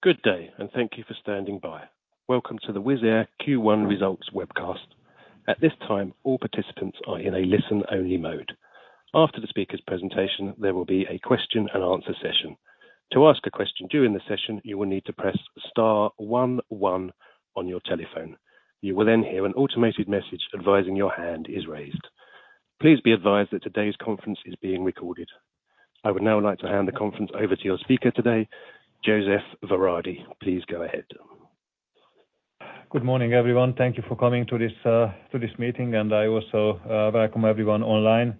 Good day, thank you for standing by. Welcome to the Wizz Air Q1 results webcast. At this time, all participants are in a listen-only mode. After the speaker's presentation, there will be a question and answer session. To ask a question during the session, you will need to press star one one on your telephone. You will then hear an automated message advising your hand is raised. Please be advised that today's conference is being recorded. I would now like to hand the conference over to your speaker today, József Váradi. Please go ahead. Good morning, everyone. Thank you for coming to this meeting, and I also welcome everyone online.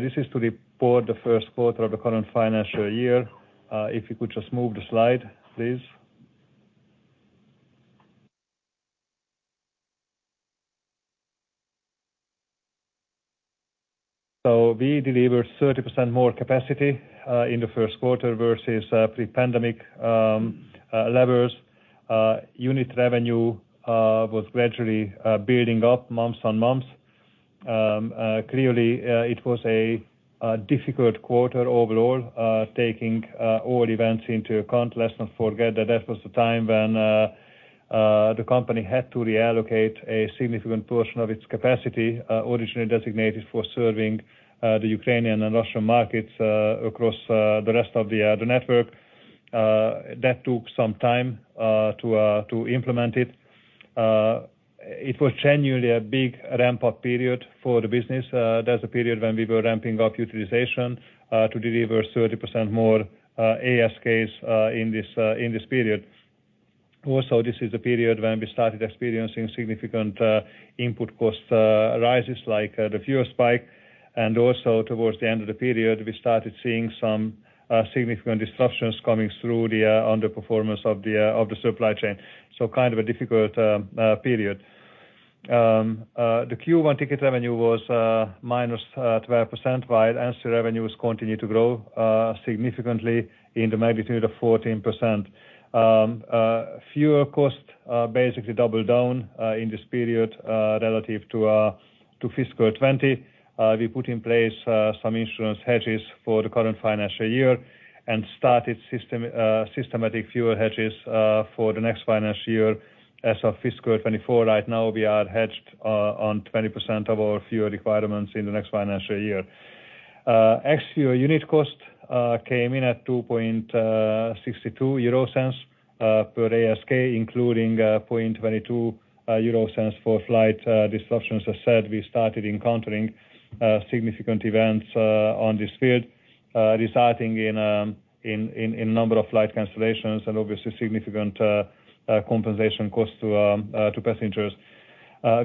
This is to report the first quarter of the current financial year. If we could just move the slide, please. We delivered 30% more capacity in the first quarter versus pre-pandemic levels. Unit revenue was gradually building up month-on-month. Clearly, it was a difficult quarter overall, taking all events into account. Let's not forget that was the time when the company had to reallocate a significant portion of its capacity, originally designated for serving the Ukrainian and Russian markets, across the rest of the network. That took some time to implement it. It was genuinely a big ramp-up period for the business. That's the period when we were ramping up utilization to deliver 30% more ASKs in this period. Also, this is the period when we started experiencing significant input cost rises like the fuel spike, and also towards the end of the period, we started seeing some significant disruptions coming through on the performance of the supply chain. Kind of a difficult period. The Q1 ticket revenue was -12%, while ancillary revenues continued to grow significantly in the magnitude of 14%. Fuel costs basically doubled in this period relative to fiscal 2020. We put in place some insurance hedges for the current financial year and started systematic fuel hedges for the next financial year. As of fiscal 2024, right now, we are hedged on 20% of our fuel requirements in the next financial year. Ex-fuel unit cost in at 0.0262 per ASK, including 0.0022 for flight disruptions. As said, we started encountering significant events in this field, resulting in a number of flight cancellations and obviously significant compensation costs to passengers.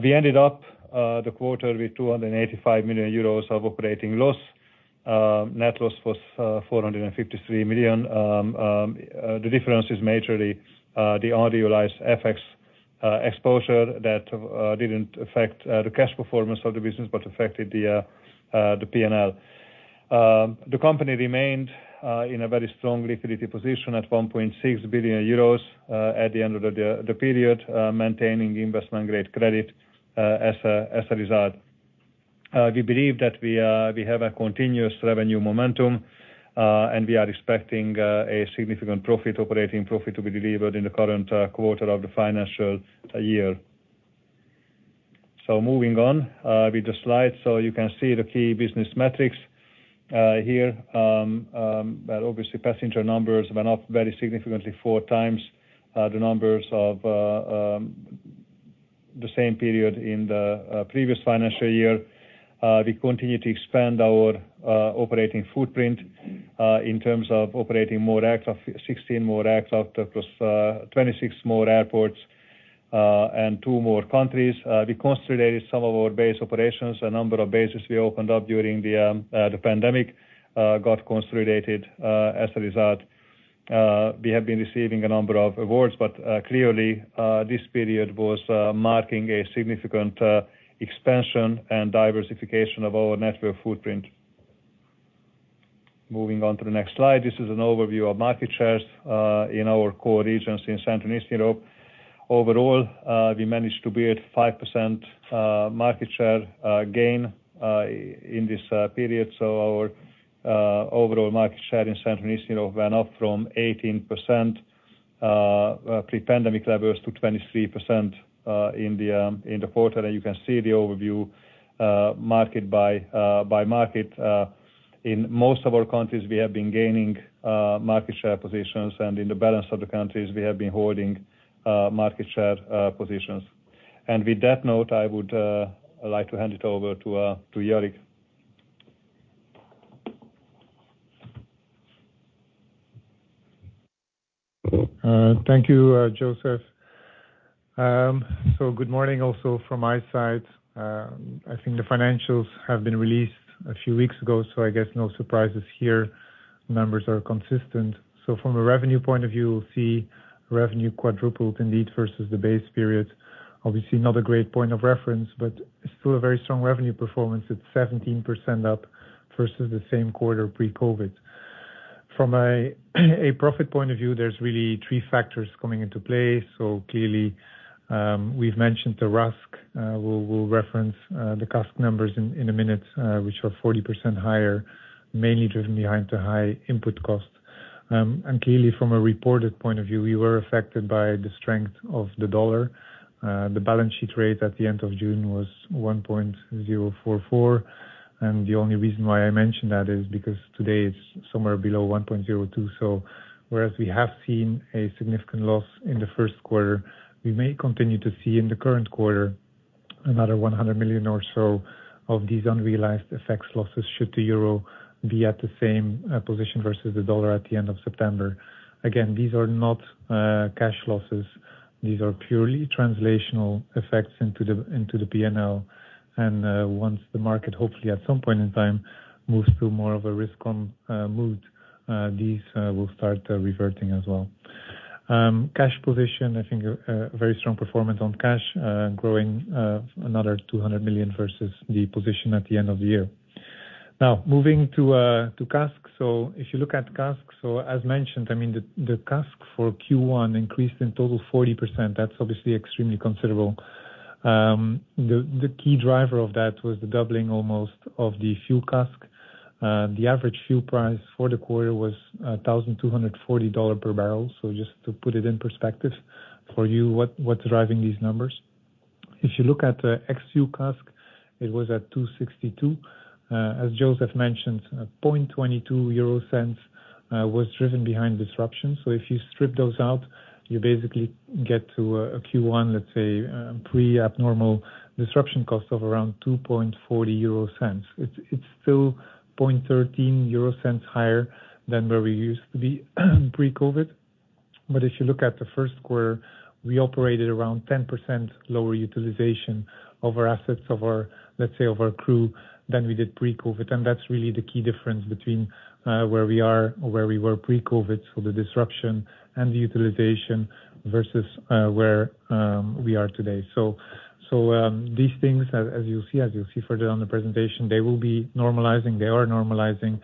We ended up the quarter with 285 million euros of operating loss. Net loss was 453 million. The difference is majorly the realized FX exposure that didn't affect the cash performance of the business, but affected the P&L. The company remained in a very strong liquidity position at 1.6 billion euros at the end of the period, maintaining investment-grade credit as a result. We believe that we have a continuous revenue momentum, and we are expecting a significant operating profit to be delivered in the current quarter of the financial year. Moving on with the slide, you can see the key business metrics here. Well, obviously, passenger numbers went up very significantly four times the numbers of the same period in the previous financial year. We continue to expand our operating footprint in terms of operating more aircraft: 16 more aircraft, plus 26 more airports and two more countries. We consolidated some of our base operations. A number of bases we opened up during the pandemic got consolidated as a result. We have been receiving a number of awards, but clearly this period was marking a significant expansion and diversification of our network footprint. Moving on to the next slide. This is an overview of market shares in our core regions in Central and Eastern Europe. Overall, we managed to build 5% market share gain in this period. Our overall market share in Central and Eastern Europe went up from 18% pre-pandemic levels to 23% in the quarter. You can see the overview, market by market, in most of our countries we have been gaining market share positions, and in the balance of the countries, we have been holding market share positions. With that note, I would like to hand it over to Jourik Hooghe. Thank you, József. Good morning also from my side. I think the financials have been released a few weeks ago, so I guess no surprises here. Numbers are consistent. From a revenue point of view, we'll see revenue quadrupled indeed versus the base period. Obviously not a great point of reference, but still a very strong revenue performance. It's 17% up versus the same quarter pre-COVID. From a profit point of view, there's really three factors coming into play. Clearly, we've mentioned the RASK. We'll reference the CASK numbers in a minute, which are 40% higher, mainly driven by the high input costs. Clearly from a reported point of view, we were affected by the strength of the dollar. The balance sheet rate at the end of June was 1.044, and the only reason why I mention that is because today it's somewhere below 1.02. Whereas we have seen a significant loss in the first quarter, we may continue to see in the current quarter another 100 million or so of these unrealized FX losses should the euro be at the same position versus the dollar at the end of September. Again, these are not cash losses. These are purely translational effects into the P&L. Once the market, hopefully at some point in time, moves to more of a risk on mood, these will start reverting as well. Cash position, I think a very strong performance on cash, growing another 200 million versus the position at the end of the year. Now moving to CASK. If you look at CASK, as mentioned, I mean the CASK for Q1 increased in total 40%. That's obviously extremely considerable. The key driver of that was the doubling almost of the fuel CASK. The average fuel price for the quarter was $1,240 per bbl. Just to put it in perspective for you, what's driving these numbers. If you look at ex-fuel CASK, it was at 2.62. As József mentioned, 0.22 euro cents was driven by disruption. If you strip those out, you basically get to a Q1, let's say, pre abnormal disruption cost of around 0.024. It's still 0.0013 higher than where we used to be pre-COVID. If you look at the first quarter, we operated around 10% lower utilization of our assets, let's say, of our crew than we did pre-COVID. That's really the key difference between where we are or where we were pre-COVID, so the disruption and the utilization versus where we are today. These things, as you'll see further on the presentation, they will be normalizing. They are normalizing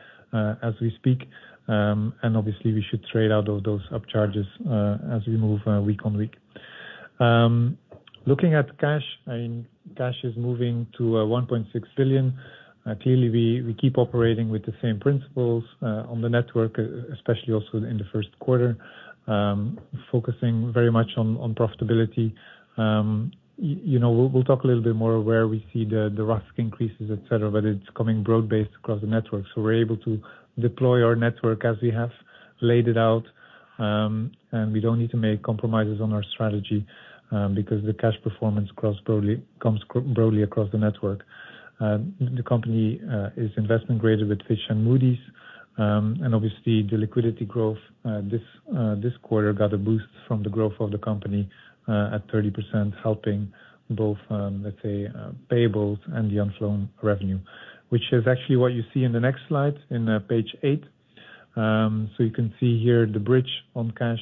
as we speak. Obviously we should trade out of those up charges as we move week on week. Looking at cash, I mean, cash is moving to 1.6 billion. Clearly we keep operating with the same principles on the network, especially also in the first quarter, focusing very much on profitability. You know, we'll talk a little bit more where we see the RASK increases, et cetera, but it's coming broad-based across the network. We're able to deploy our network as we have laid it out, and we don't need to make compromises on our strategy, because the cash performance comes broadly across the network. The company is investment grade with Fitch and Moody's. Obviously the liquidity growth this quarter got a boost from the growth of the company at 30%, helping both, let's say, payables and the unflown revenue. Which is actually what you see in the next slide in page eight. You can see here the bridge on cash.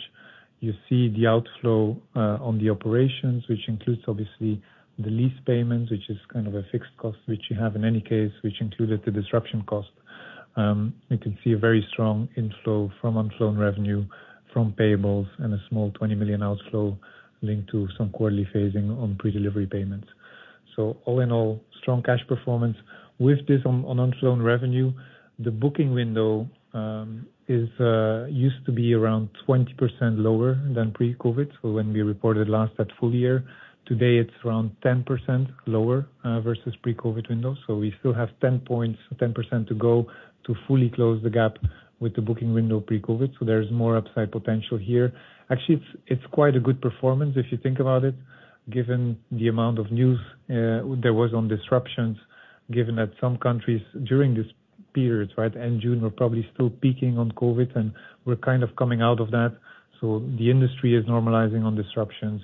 You see the outflow on the operations, which includes obviously the lease payments, which is kind of a fixed cost, which you have in any case, which included the disruption cost. You can see a very strong inflow from unflown revenue, from payables and a small 20 million outflow linked to some quarterly phasing on pre-delivery payments. All in all, strong cash performance. With this on unflown revenue, the booking window is used to be around 20% lower than pre-COVID. When we reported last at full year. Today, it's around 10% lower versus pre-COVID windows. We still have 10 points, 10% to go to fully close the gap with the booking window pre-COVID. There's more upside potential here. Actually, it's quite a good performance if you think about it, given the amount of news there was on disruptions, given that some countries during this period, right at end June, were probably still peaking on COVID, and we're kind of coming out of that. The industry is normalizing on disruptions.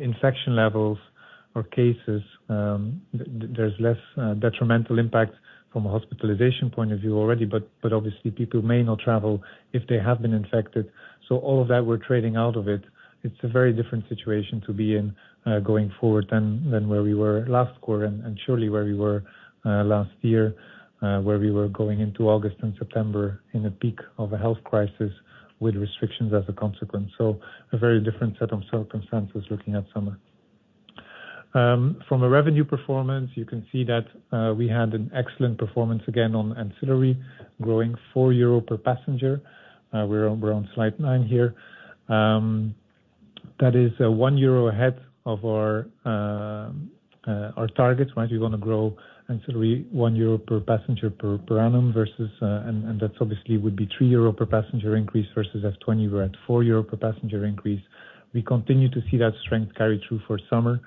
Infection levels or cases, there's less detrimental impact from a hospitalization point of view already. Obviously people may not travel if they have been infected. All of that, we're trading out of it. It's a very different situation to be in, going forward than where we were last quarter and surely where we were last year, where we were going into August and September in a peak of a health crisis with restrictions as a consequence. A very different set of circumstances looking at summer. From a revenue performance, you can see that we had an excellent performance again on ancillary, growing 4 euro per passenger. We're on slide nine here. That is 1 euro ahead of our targets, right? We wanna grow ancillary 1 euro per passenger per annum versus, and that obviously would be 3 euro per passenger increase versus S'20 we're at 4 euro per passenger increase. We continue to see that strength carry through for summer.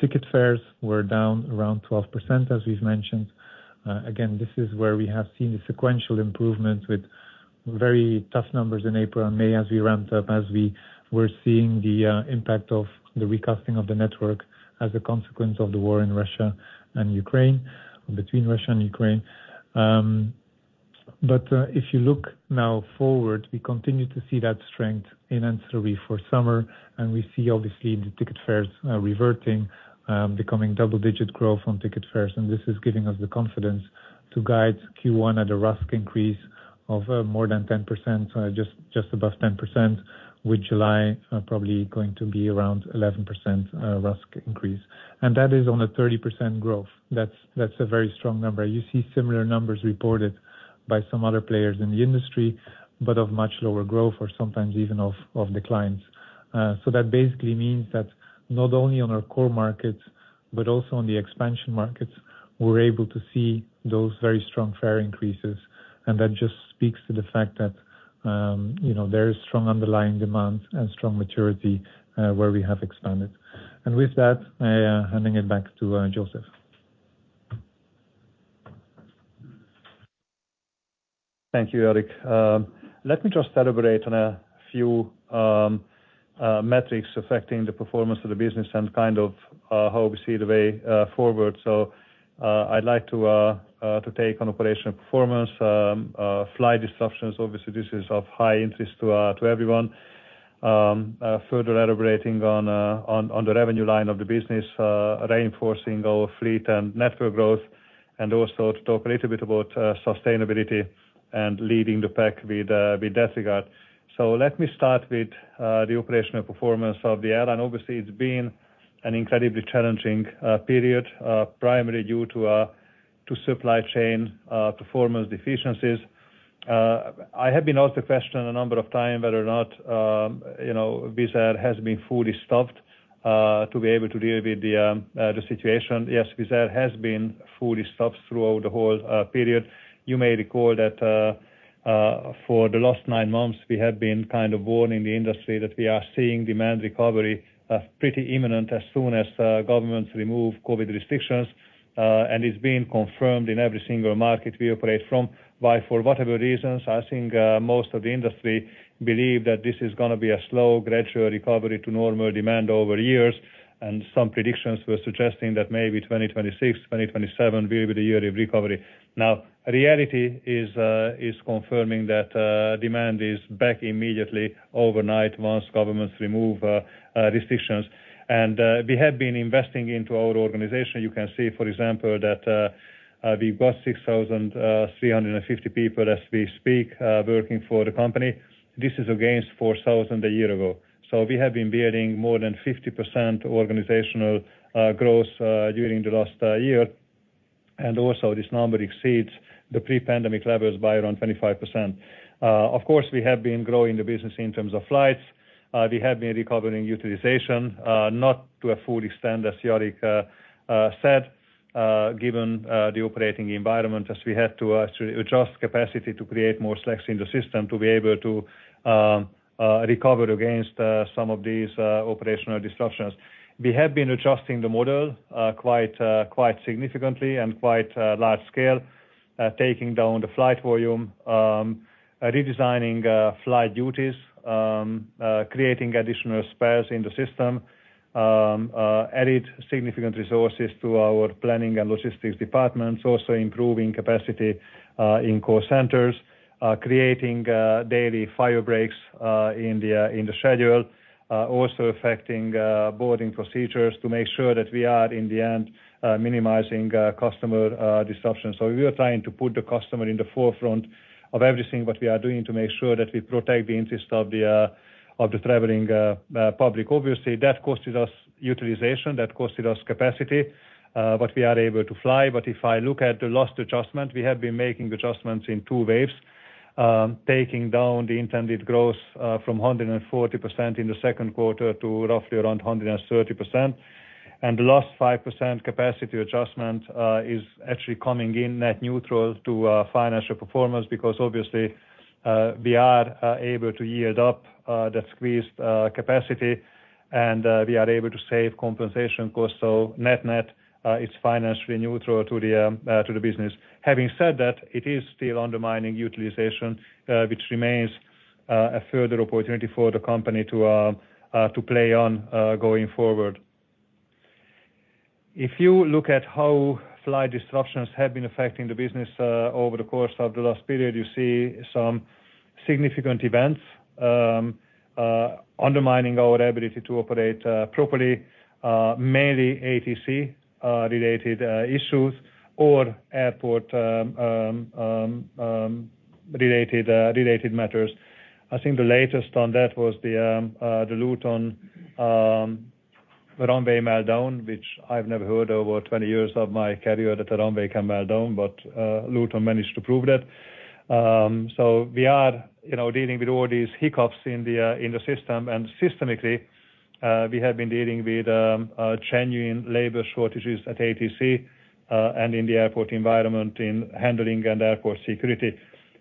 Ticket fares were down around 12%, as we've mentioned. Again, this is where we have seen the sequential improvement with very tough numbers in April and May as we ramped up, as we were seeing the impact of the recasting of the network as a consequence of the war in Russia and Ukraine, between Russia and Ukraine. If you look now forward, we continue to see that strength in ancillary for summer, and we see obviously the ticket fares reverting, becoming double digit growth on ticket fares. This is giving us the confidence to guide Q1 at a RASK increase of more than 10%, just above 10%, with July probably going to be around 11% RASK increase. That is on a 30% growth. That's a very strong number. You see similar numbers reported by some other players in the industry, but of much lower growth or sometimes even of declines. That basically means that not only on our core markets, but also on the expansion markets, we're able to see those very strong fare increases. That just speaks to the fact that, you know, there is strong underlying demand and strong maturity where we have expanded. With that, handing it back to József Váradi. Thank you, Jourik. Let me just elaborate on a few metrics affecting the performance of the business and kind of how we see the way forward. I'd like to take on operational performance, flight disruptions, obviously this is of high interest to everyone. Further elaborating on the revenue line of the business, reinforcing our fleet and network growth, and also to talk a little bit about sustainability and leading the pack with that regard. Let me start with the operational performance of the airline. Obviously, it's been an incredibly challenging period primarily due to supply chain performance deficiencies. I have been asked the question a number of times whether or not, you know, Wizz Air has been fully staffed, to be able to deal with the situation. Yes, Wizz Air has been fully staffed throughout the whole, period. You may recall that, for the last nine months we have been kind of warning the industry that we are seeing demand recovery, pretty imminent as soon as, governments remove COVID restrictions. It's been confirmed in every single market we operate from. Why, for whatever reasons, I think, most of the industry believe that this is gonna be a slow gradual recovery to normal demand over years, and some predictions were suggesting that maybe 2026, 2027 will be the year of recovery. Now, reality is confirming that demand is back immediately overnight once governments remove restrictions. We have been investing into our organization. You can see, for example, that we've got 6,350 people as we speak working for the company. This is against 4,000 a year ago. We have been building more than 50% organizational growth during the last year, and also this number exceeds the pre-pandemic levels by around 25%. Of course, we have been growing the business in terms of flights. We have been recovering utilization, not to a full extent as Jourik said, given the operating environment as we had to actually adjust capacity to create more slack in the system to be able to recover against some of these operational disruptions. We have been adjusting the model quite significantly and quite large scale, taking down the flight volume, redesigning flight duties, creating additional spares in the system, added significant resources to our planning and logistics departments, also improving capacity in call centers, creating daily fire breaks in the schedule. Also affecting boarding procedures to make sure that we are in the end minimizing customer disruption. We are trying to put the customer in the forefront of everything that we are doing to make sure that we protect the interest of the traveling public. Obviously, that costed us utilization, that costed us capacity, but we are able to fly. If I look at the last adjustment, we have been making adjustments in two waves, taking down the intended growth from 140% in the second quarter to roughly around 130%. The last 5% capacity adjustment is actually coming in net neutral to financial performance because obviously we are able to yield up that squeezed capacity and we are able to save compensation costs. Net-net, it's financially neutral to the business. Having said that, it is still undermining utilization, which remains a further opportunity for the company to play on going forward. If you look at how flight disruptions have been affecting the business over the course of the last period, you see some significant events undermining our ability to operate properly, mainly ATC related issues or airport related matters. I think the latest on that was the Luton runway meltdown, which I've never heard over 20 years of my career that a runway can meltdown, but Luton managed to prove that. We are, you know, dealing with all these hiccups in the system, and systemically, we have been dealing with genuine labor shortages at ATC, and in the airport environment in handling and airport security.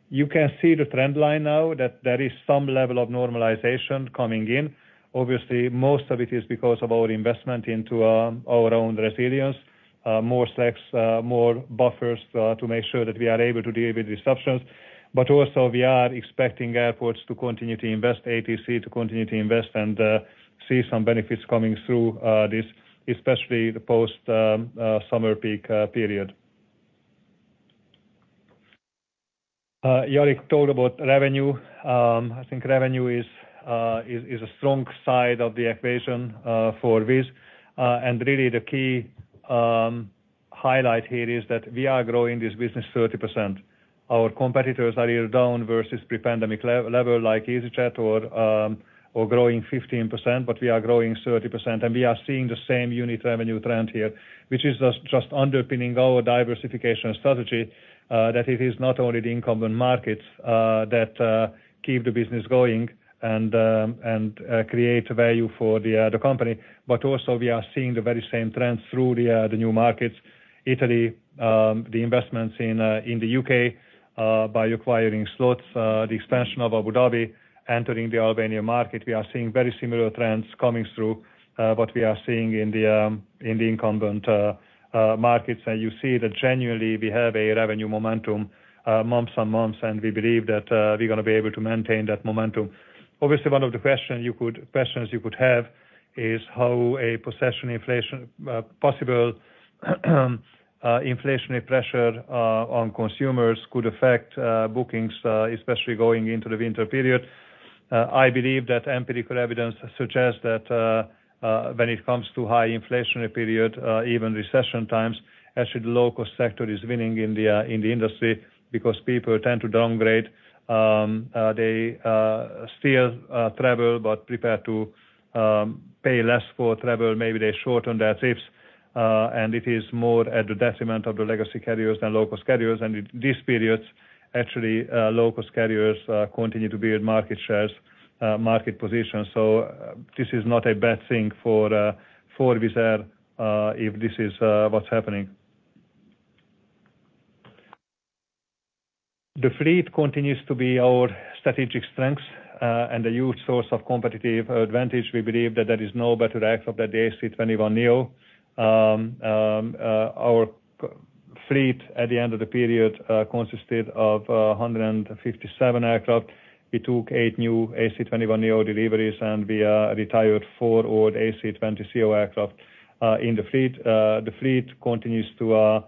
You can see the trend line now that there is some level of normalization coming in. Obviously, most of it is because of our investment into our own resilience, more slacks, more buffers, to make sure that we are able to deal with disruptions. We are expecting airports to continue to invest, ATC to continue to invest and see some benefits coming through this, especially the post summer peak period. Jourik talked about revenue. I think revenue is a strong side of the equation for Wizz. Really the key highlight here is that we are growing this business 30%. Our competitors are either down versus pre-pandemic level, like easyJet or growing 15%, but we are growing 30%, and we are seeing the same unit revenue trend here, which is just underpinning our diversification strategy, that it is not only the incumbent markets that keep the business going and create value for the company. Also we are seeing the very same trends through the new markets, Italy, the investments in the U.K. by acquiring slots, the expansion of Abu Dhabi, entering the Albanian market. We are seeing very similar trends coming through what we are seeing in the incumbent markets. You see that genuinely we have a revenue momentum, months on months, and we believe that, we're gonna be able to maintain that momentum. Obviously, one of the questions you could have is how a progression inflation, possible inflationary pressure, on consumers could affect bookings, especially going into the winter period. I believe that empirical evidence suggests that, when it comes to high inflationary period, even recession times, actually the low cost sector is winning in the industry because people tend to downgrade. They still travel, but prepare to pay less for travel. Maybe they shorten their trips, and it is more at the detriment of the legacy carriers than low-cost carriers. In these periods, actually, low-cost carriers continue to build market shares, market position. This is not a bad thing for Wizz Air if this is what's happening. The fleet continues to be our strategic strength and a huge source of competitive advantage. We believe that there is no better aircraft than the A321neo. Our fleet at the end of the period consisted of 157 aircraft. We took eight new A321neo deliveries, and we retired four old A320ceo aircraft in the fleet. The fleet continues to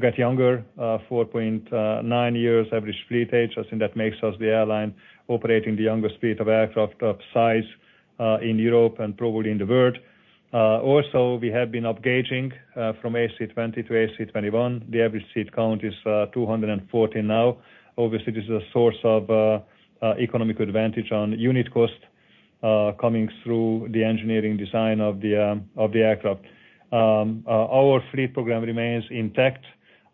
get younger, 4.9 years average fleet age. I think that makes us the airline operating the youngest fleet of aircraft of size in Europe and probably in the world. Also we have been up gauging from A320 to A321. The average seat count is 214 now. Obviously, this is a source of economic advantage on unit cost coming through the engineering design of the aircraft. Our fleet program remains intact.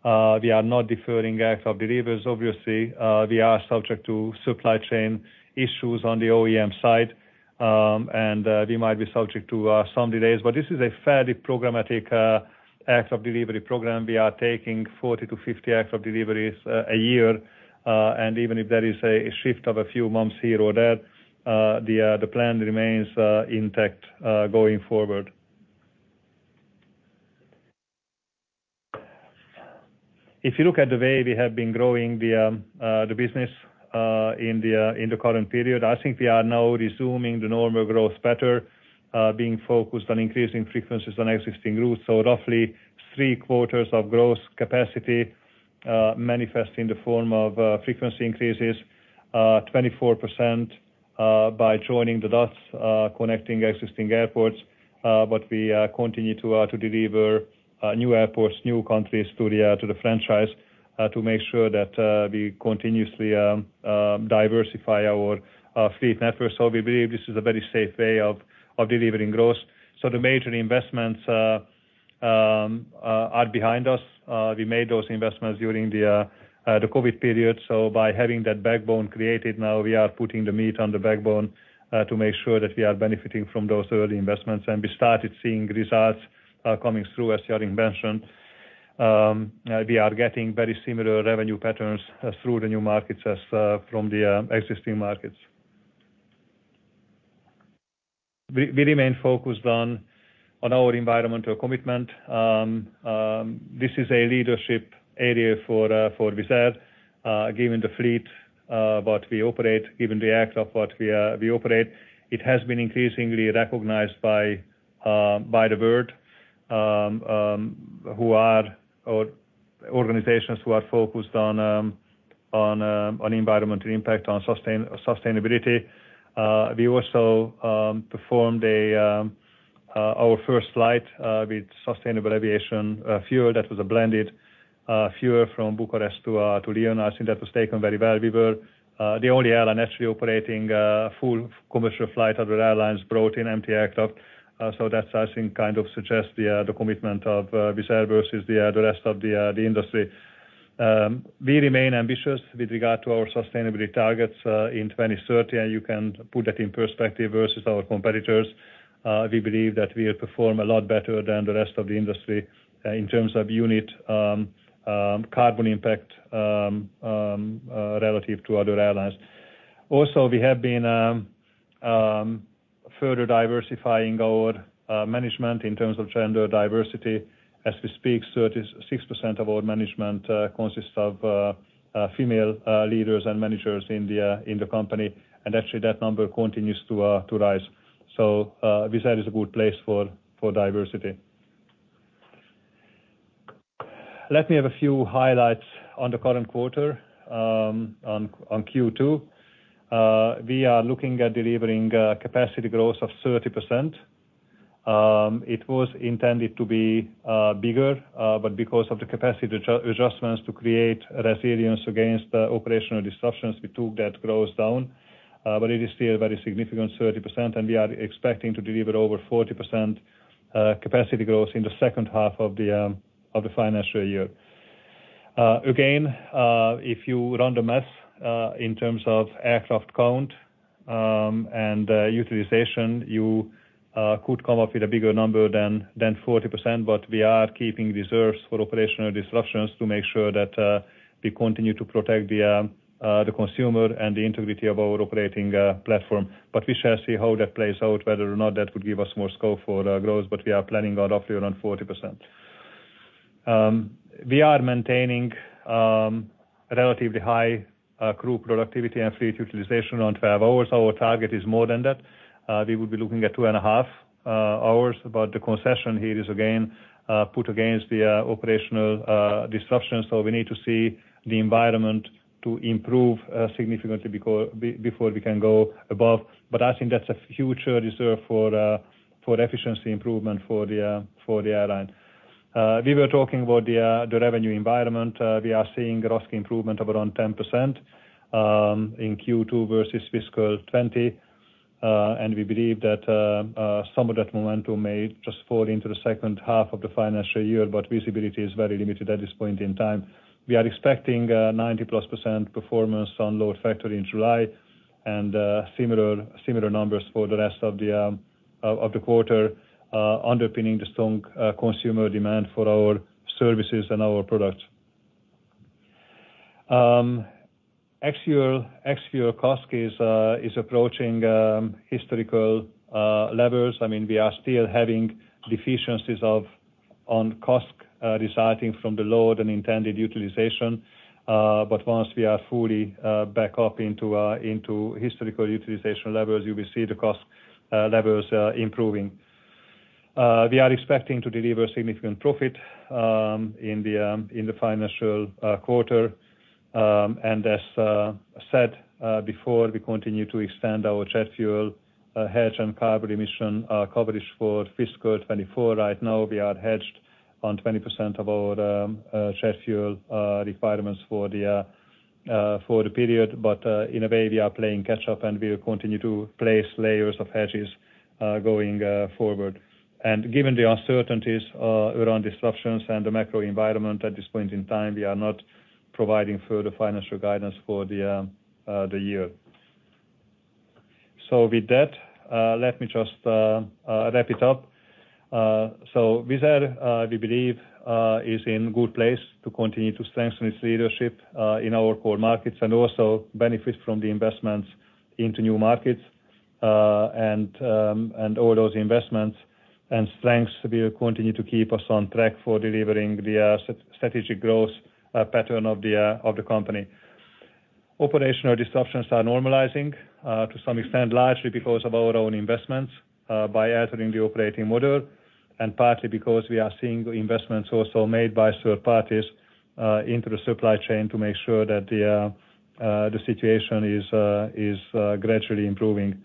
We are not deferring aircraft deliveries. Obviously, we are subject to supply chain issues on the OEM side, and we might be subject to some delays, but this is a fairly programmatic aircraft delivery program. We are taking 40-50 aircraft deliveries a year, and even if there is a shift of a few months here or there, the plan remains intact going forward. If you look at the way we have been growing the business in the current period, I think we are now resuming the normal growth pattern, being focused on increasing frequencies on existing routes. Roughly three-quarters of gross capacity manifest in the form of frequency increases, 24% by joining the dots, connecting existing airports. We continue to deliver new airports, new countries to the franchise to make sure that we continuously diversify our fleet network. We believe this is a very safe way of delivering growth. The major investments are behind us. We made those investments during the COVID period, so by having that backbone created, now we are putting the meat on the backbone to make sure that we are benefiting from those early investments. We started seeing results coming through as Jourik mentioned. We are getting very similar revenue patterns through the new markets as from the existing markets. We remain focused on our environmental commitment. This is a leadership area for Wizz Air. Given the fleet we operate, given the aircraft we operate, it has been increasingly recognized by worldwide organizations who are focused on environmental impact, on sustainability. We also performed our first flight with sustainable aviation fuel that was a blended fuel from Bucharest to Lyon. I think that was taken very well. We were the only airline actually operating full commercial flight. Other airlines brought in empty aircraft. That, I think, kind of suggests the commitment of Wizz Air versus the rest of the industry. We remain ambitious with regard to our sustainability targets in 2030, and you can put that in perspective versus our competitors. We believe that we'll perform a lot better than the rest of the industry in terms of unit carbon impact relative to other airlines. We have been further diversifying our management in terms of gender diversity. As we speak, 36% of our management consists of female leaders and managers in the company, and actually that number continues to rise. Wizz Air is a good place for diversity. Let me have a few highlights on the current quarter, on Q2. We are looking at delivering capacity growth of 30%. It was intended to be bigger, but because of the capacity adjustments to create resilience against operational disruptions, we took that growth down. It is still very significant 30%, and we are expecting to deliver over 40% capacity growth in the second half of the financial year. Again, if you run the math in terms of aircraft count and utilization, you could come up with a bigger number than 40%. We are keeping reserves for operational disruptions to make sure that we continue to protect the consumer and the integrity of our operating platform. We shall see how that plays out, whether or not that would give us more scope for growth, but we are planning on roughly around 40%. We are maintaining relatively high crew productivity and fleet utilization around 12 hours. Our target is more than that. We would be looking at two and a half hours. The concession here is again put against the operational disruptions, so we need to see the environment improve significantly before we can go above. I think that's a future reserve for efficiency improvement for the airline. We were talking about the revenue environment. We are seeing growth improvement of around 10% in Q2 versus fiscal 2020. We believe that some of that momentum may just fall into the second half of the financial year, but visibility is very limited at this point in time. We are expecting 90+% performance on load factor in July and similar numbers for the rest of the quarter, underpinning the strong consumer demand for our services and our products. Actual CASK is approaching historical levels. I mean, we are still having deficiencies on CASK resulting from the lower than intended utilization. Once we are fully back up into historical utilization levels, you will see the cost levels improving. We are expecting to deliver significant profit in the financial quarter. As said before, we continue to extend our jet fuel hedge and carbon emission coverage for fiscal 2024. Right now, we are hedged on 20% of our jet fuel requirements for the period. In a way, we are playing catch up, and we will continue to place layers of hedges going forward. Given the uncertainties around disruptions and the macro environment at this point in time, we are not providing further financial guidance for the year. With that, let me just wrap it up. Wizz Air we believe is in good place to continue to strengthen its leadership in our core markets and also benefit from the investments into new markets. All those investments and strengths will continue to keep us on track for delivering the strategic growth pattern of the company. Operational disruptions are normalizing, to some extent, largely because of our own investments, by altering the operating model, and partly because we are seeing investments also made by third parties, into the supply chain to make sure that the situation is gradually improving.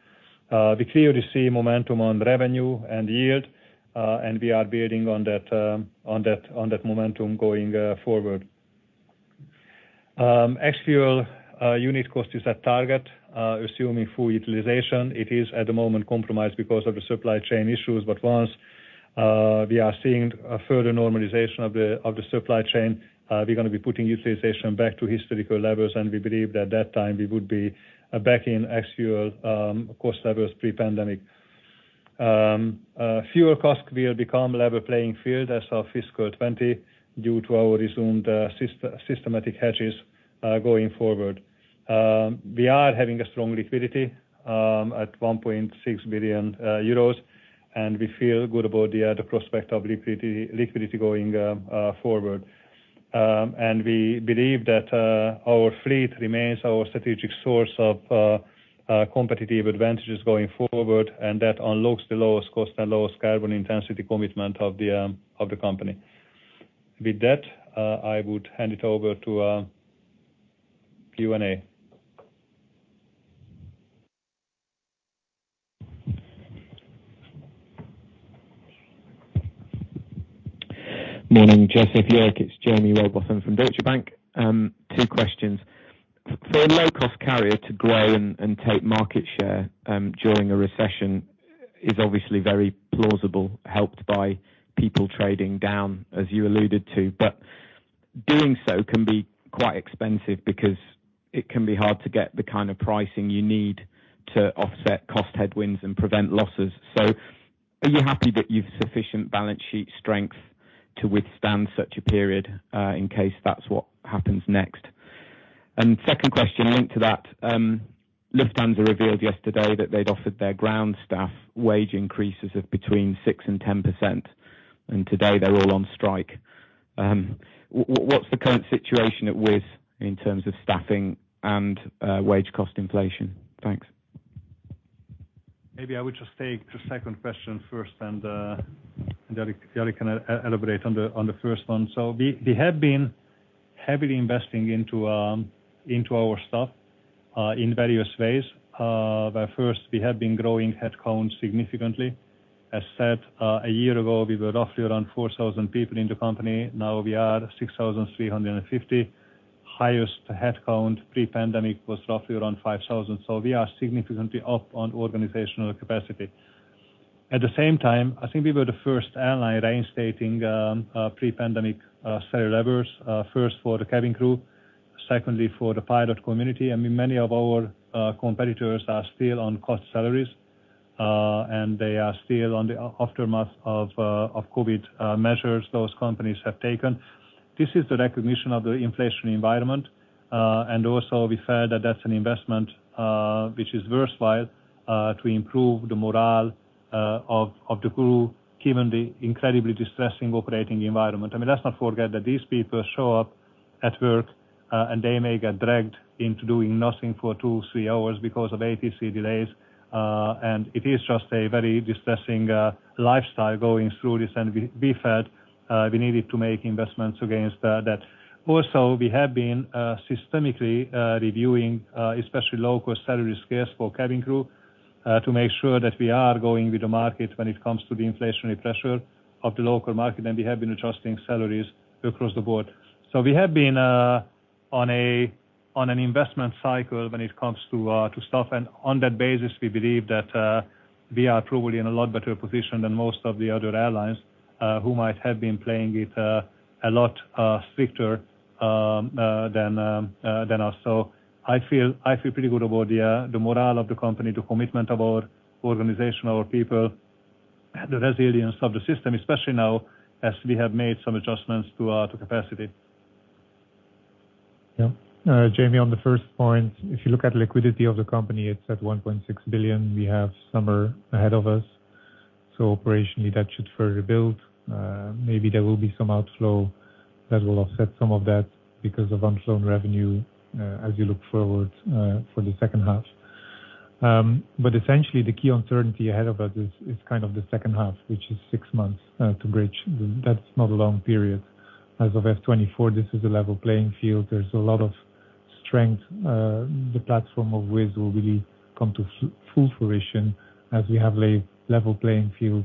We clearly see momentum on revenue and yield, and we are building on that momentum going forward. Actual unit cost is at target, assuming full utilization. It is, at the moment, compromised because of the supply chain issues. Once we are seeing a further normalization of the supply chain, we're gonna be putting utilization back to historical levels, and we believe that time we would be back in actual cost levels pre-pandemic. Fuel CASK will become level playing field as of fiscal 2020 due to our resumed systematic hedges going forward. We are having a strong liquidity at 1.6 billion euros, and we feel good about the prospect of liquidity going forward. We believe that our fleet remains our strategic source of competitive advantages going forward, and that unlocks the lowest cost and lowest carbon intensity commitment of the company. With that, I would hand it over to Q&A. Morning, József Váradi. It's Jaime Rowbotham from Deutsche Bank. Two questions. For a low-cost carrier to grow and take market share during a recession is obviously very plausible, helped by people trading down, as you alluded to. Doing so can be quite expensive because it can be hard to get the kind of pricing you need to offset cost headwinds and prevent losses. Are you happy that you've sufficient balance sheet strength to withstand such a period in case that's what happens next? Second question linked to that, Lufthansa revealed yesterday that they'd offered their ground staff wage increases of between 6% and 10%, and today they're all on strike. What's the current situation at Wizz in terms of staffing and wage cost inflation? Thanks. Maybe I would just take the second question first, and Jourik can elaborate on the first one. We have been heavily investing into our staff in various ways, where first we have been growing headcount significantly. As said, a year ago, we were roughly around 4,000 people in the company, now we are 6,350. Highest headcount pre-pandemic was roughly around 5,000. We are significantly up on organizational capacity. At the same time, I think we were the first airline reinstating pre-pandemic salary levels, first for the cabin crew, secondly for the pilot community. I mean, many of our competitors are still on cut salaries, and they are still in the aftermath of COVID measures those companies have taken. This is the recognition of the inflationary environment. We feel that that's an investment which is worthwhile to improve the morale of the crew, given the incredibly distressing operating environment. I mean, let's not forget that these people show up at work and they may get dragged into doing nothing for two, three hours because of ATC delays. It is just a very distressing lifestyle going through this. We felt we needed to make investments against that. Also, we have been systematically reviewing especially local salary scales for cabin crew to make sure that we are going with the market when it comes to the inflationary pressure of the local market, and we have been adjusting salaries across the board. We have been on an investment cycle when it comes to staff, and on that basis, we believe that we are probably in a lot better position than most of the other airlines, who might have been playing it a lot stricter than us. I feel pretty good about the morale of the company, the commitment of our organization, our people, the resilience of the system, especially now as we have made some adjustments to capacity. Yeah. Jaime, on the first point, if you look at liquidity of the company, it's at 1.6 billion. We have summer ahead of us, so operationally, that should further build. Maybe there will be some outflow that will offset some of that because of unflown revenue, as you look forward, for the second half. Essentially the key uncertainty ahead of us is kind of the second half, which is six months to bridge. That's not a long period. As of F 2024, this is a level playing field. There's a lot of strength. The platform of Wizz Air will really come to full fruition as we have a level playing field,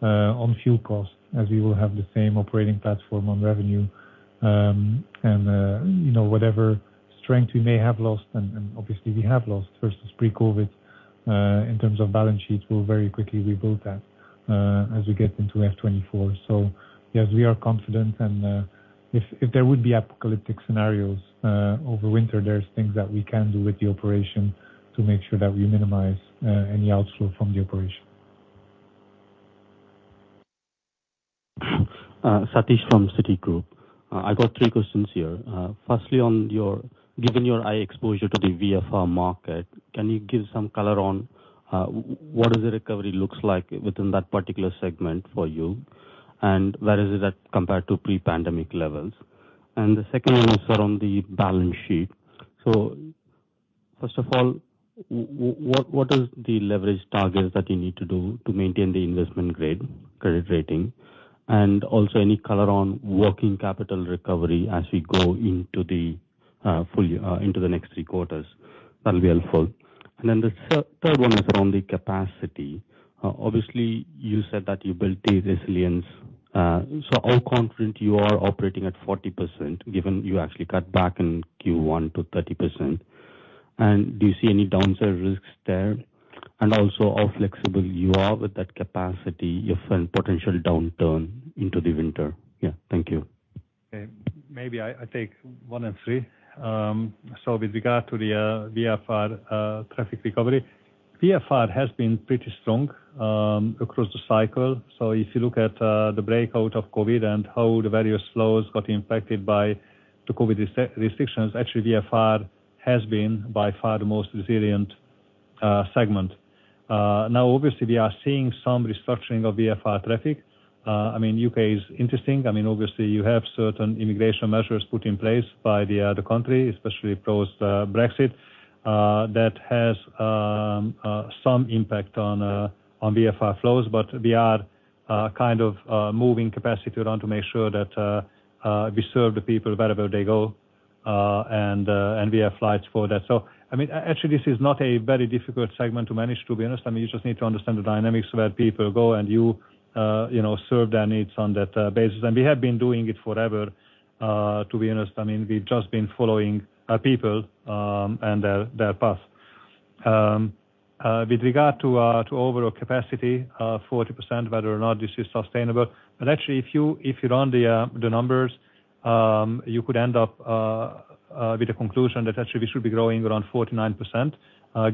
on fuel costs, as we will have the same operating platform on revenue. You know, whatever strength we may have lost, and obviously we have lost versus pre-COVID, in terms of balance sheets, we'll very quickly rebuild that, as we get into F 2024. Yes, we are confident, and if there would be apocalyptic scenarios over winter, there's things that we can do with the operation to make sure that we minimize any outflow from the operation. Satish from Citigroup. I've got three questions here. Firstly, given your high exposure to the VFR market, can you give some color on what does the recovery looks like within that particular segment for you, and where is it at compared to pre-pandemic levels? The second one is around the balance sheet. First of all, what is the leverage targets that you need to do to maintain the investment grade credit rating? Also any color on working capital recovery as we go into the full year, into the next three quarters, that'll be helpful. Then the third one is around the capacity. Obviously you said that you built the resilience. How confident you are operating at 40%, given you actually cut back in Q1 to 30%? Do you see any downside risks there? Also, how flexible you are with that capacity if a potential downturn into the winter? Yeah. Thank you. Okay, maybe I take one and three. With regard to the VFR traffic recovery, VFR has been pretty strong across the cycle. If you look at the breakout of COVID and how the various flows got impacted by the COVID restrictions, actually VFR has been by far the most resilient segment. Now, obviously we are seeing some restructuring of VFR traffic. I mean, U.K. is interesting. I mean, obviously you have certain immigration measures put in place by the country, especially post Brexit, that has some impact on VFR flows. We are kind of moving capacity around to make sure that we serve the people wherever they go, and we have flights for that. Actually, this is not a very difficult segment to manage, to be honest. I mean, you just need to understand the dynamics of where people go and you know serve their needs on that basis. We have been doing it forever, to be honest. I mean, we've just been following our people and their path. With regard to overall capacity, 40%, whether or not this is sustainable, but actually if you run the numbers, you could end up with the conclusion that actually we should be growing around 49%,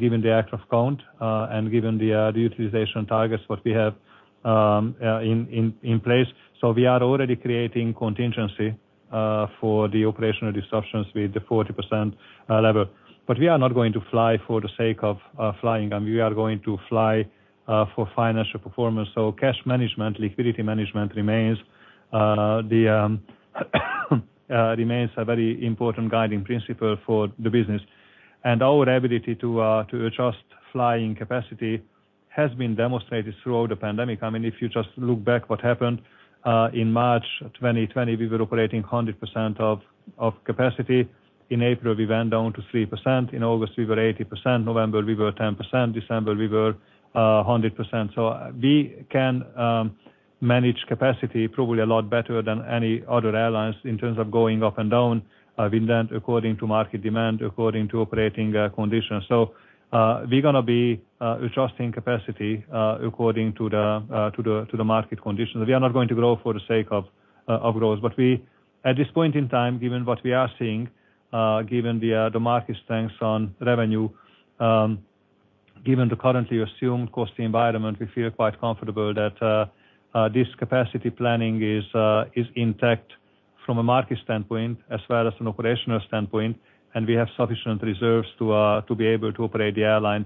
given the aircraft count and given the utilization targets what we have in place. We are already creating contingency for the operational disruptions with the 40% level. We are not going to fly for the sake of flying. I mean, we are going to fly for financial performance. Cash management, liquidity management remains a very important guiding principle for the business. Our ability to adjust flying capacity has been demonstrated throughout the pandemic. I mean, if you just look back what happened in March 2020, we were operating 100% of capacity. In April, we went down to 3%, in August we were 80%, November we were 10%, December we were 100%. We can manage capacity probably a lot better than any other airlines in terms of going up and down. We've done according to market demand, according to operating conditions. We're gonna be adjusting capacity according to the market conditions. We are not going to grow for the sake of growth. We, at this point in time, given what we are seeing, given the market stance on revenue, given the currently assumed cost environment, we feel quite comfortable that this capacity planning is intact from a market standpoint as well as an operational standpoint, and we have sufficient reserves to be able to operate the airline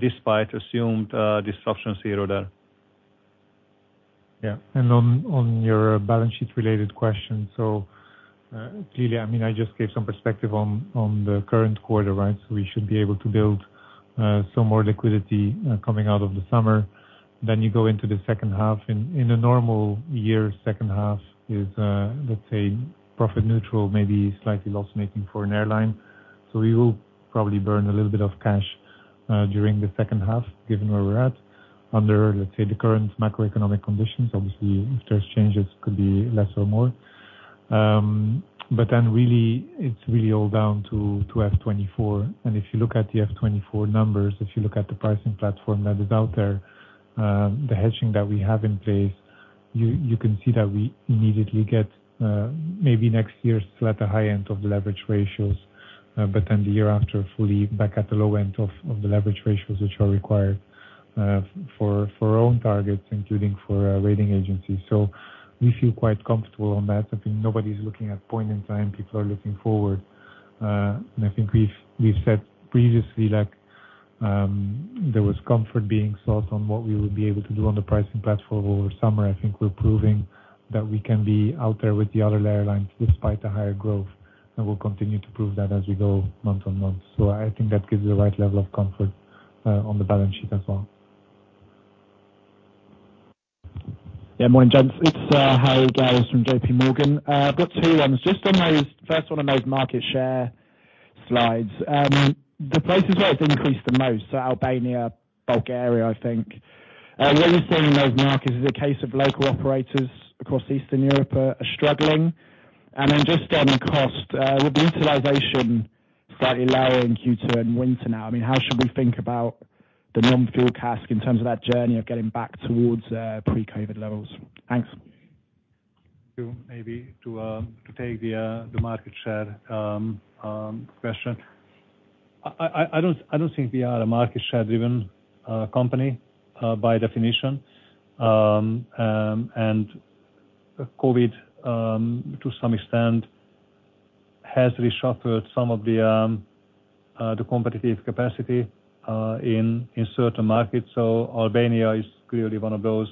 despite assumed disruptions here or there. Yeah. On your balance sheet-related question. Clearly, I mean, I just gave some perspective on the current quarter, right? We should be able to build some more liquidity coming out of the summer. You go into the second half. In a normal year, second half is let's say profit neutral, maybe slightly loss-making for an airline. We will probably burn a little bit of cash during the second half, given where we're at. Under let's say the current macroeconomic conditions. Obviously, if there's changes could be less or more. Really, it's all down to F 2024. If you look at the fiscal 2024 numbers, if you look at the pricing platform that is out there, the hedging that we have in place, you can see that we immediately get, maybe next year still at the high end of leverage ratios, but then the year after, fully back at the low end of the leverage ratios which are required, for our own targets, including for our rating agencies. We feel quite comfortable on that. I think nobody's looking at a point in time. People are looking forward. I think we've said previously, like, there was comfort being sought on what we would be able to do on the pricing platform over summer. I think we're proving that we can be out there with the other LCCs despite the higher growth, and we'll continue to prove that as we go month-on-month. I think that gives the right level of comfort on the balance sheet as well. Morning, gents. It's Harry Gowers from JPMorgan. I've got two ones. Just on those, first one on those market share slides. The places where it's increased the most, so Albania, Bulgaria, I think. What are you seeing in those markets is a case of local operators across Eastern Europe are struggling. Then just on cost, with the utilization slightly lower in Q2 and winter now, I mean, how should we think about the non-fuel CASK in terms of that journey of getting back towards pre-COVID levels? Thanks. To take the market share question. I don't think we are a market share-driven company by definition. COVID to some extent has reshuffled some of the competitive capacity in certain markets. Albania is clearly one of those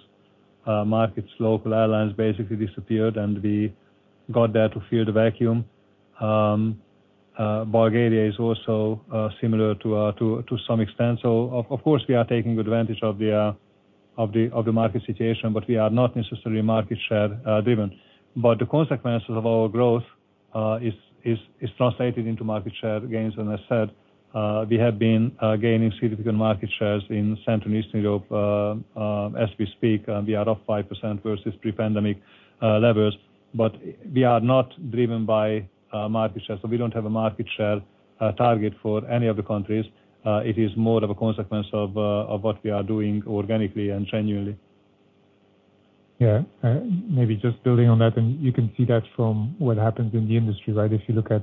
markets. Local airlines basically disappeared, and we got there to fill the vacuum. Bulgaria is also similar to some extent. Of course, we are taking advantage of the market situation, but we are not necessarily market share driven. The consequences of our growth is translated into market share gains. I said, we have been gaining significant market shares in Central & Eastern Europe, as we speak, and we are up 5% versus pre-pandemic levels. We are not driven by market share. We don't have a market share target for any of the countries. It is more of a consequence of what we are doing organically and genuinely. Yeah, maybe just building on that, and you can see that from what happens in the industry, right? If you look at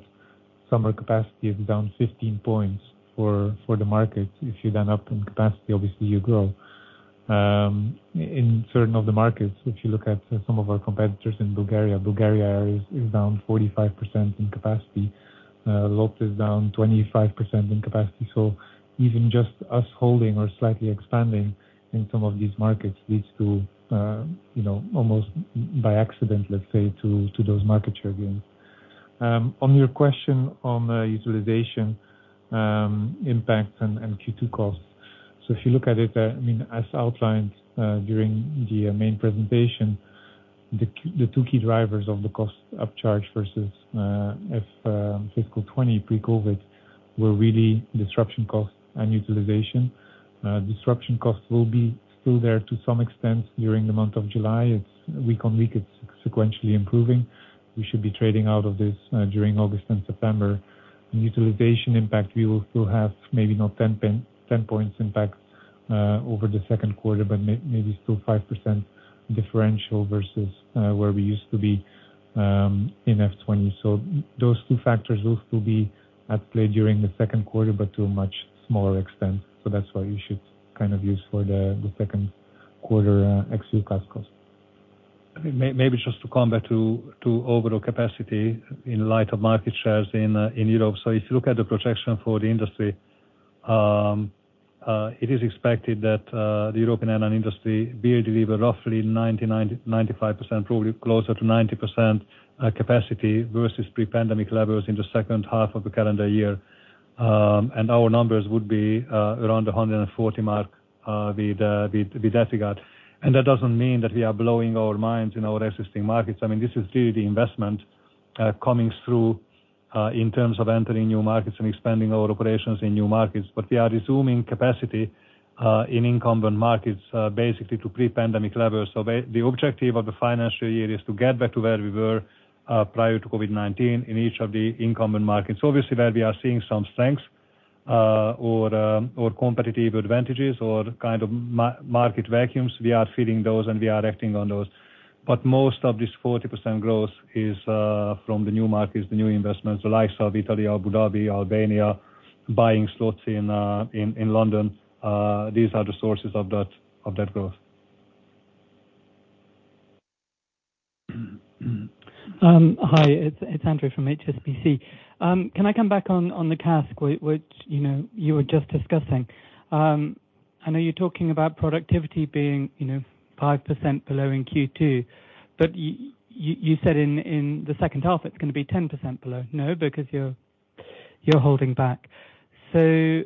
summer capacity is down 15 points for the market. If you then up in capacity, obviously you grow. In certain of the markets, if you look at some of our competitors in Bulgaria is down 45% in capacity. LOT is down 25% in capacity. Even just us holding or slightly expanding in some of these markets leads to you know, almost by accident, let's say, to those market share gains. On your question on utilization, impact and Q2 costs. If you look at it, I mean, as outlined during the main presentation, the two key drivers of the CASK upcharge versus fiscal 2020 pre-COVID were really disruption costs and utilization. Disruption costs will be still there to some extent during the month of July. It's week-on-week. It's sequentially improving. We should be trading out of this during August and September. Utilization impact, we will still have maybe not 10-point impact over the second quarter, but maybe still 5% differential versus where we used to be in fiscal 2020. Those two factors will still be at play during the second quarter, but to a much smaller extent. That's why you should kind of use for the second quarter ex-fuel CASK cost. Maybe just to come back to overall capacity in light of market shares in Europe. If you look at the projection for the industry, it is expected that the European airline industry will deliver roughly 95%, probably closer to 90%, capacity versus pre-pandemic levels in the second half of the calendar year. Our numbers would be around the 140 mark with easyJet. That doesn't mean that we are blowing our minds in our existing markets. I mean, this is really the investment coming through in terms of entering new markets and expanding our operations in new markets. We are resuming capacity in incumbent markets basically to pre-pandemic levels. The objective of the financial year is to get back to where we were prior to COVID-19 in each of the incumbent markets. Obviously, where we are seeing some strengths or competitive advantages or kind of market vacuums, we are feeding those, and we are acting on those. Most of this 40% growth is from the new markets, the new investments, the likes of Italy, Abu Dhabi, Albania, buying slots in London. These are the sources of that growth. Hi, it's Andrew from HSBC. Can I come back on the CASK which, you know, you were just discussing? I know you're talking about productivity being, you know, 5% below in Q2, but you said in the second half, it's gonna be 10% below. No? Because you're holding back. I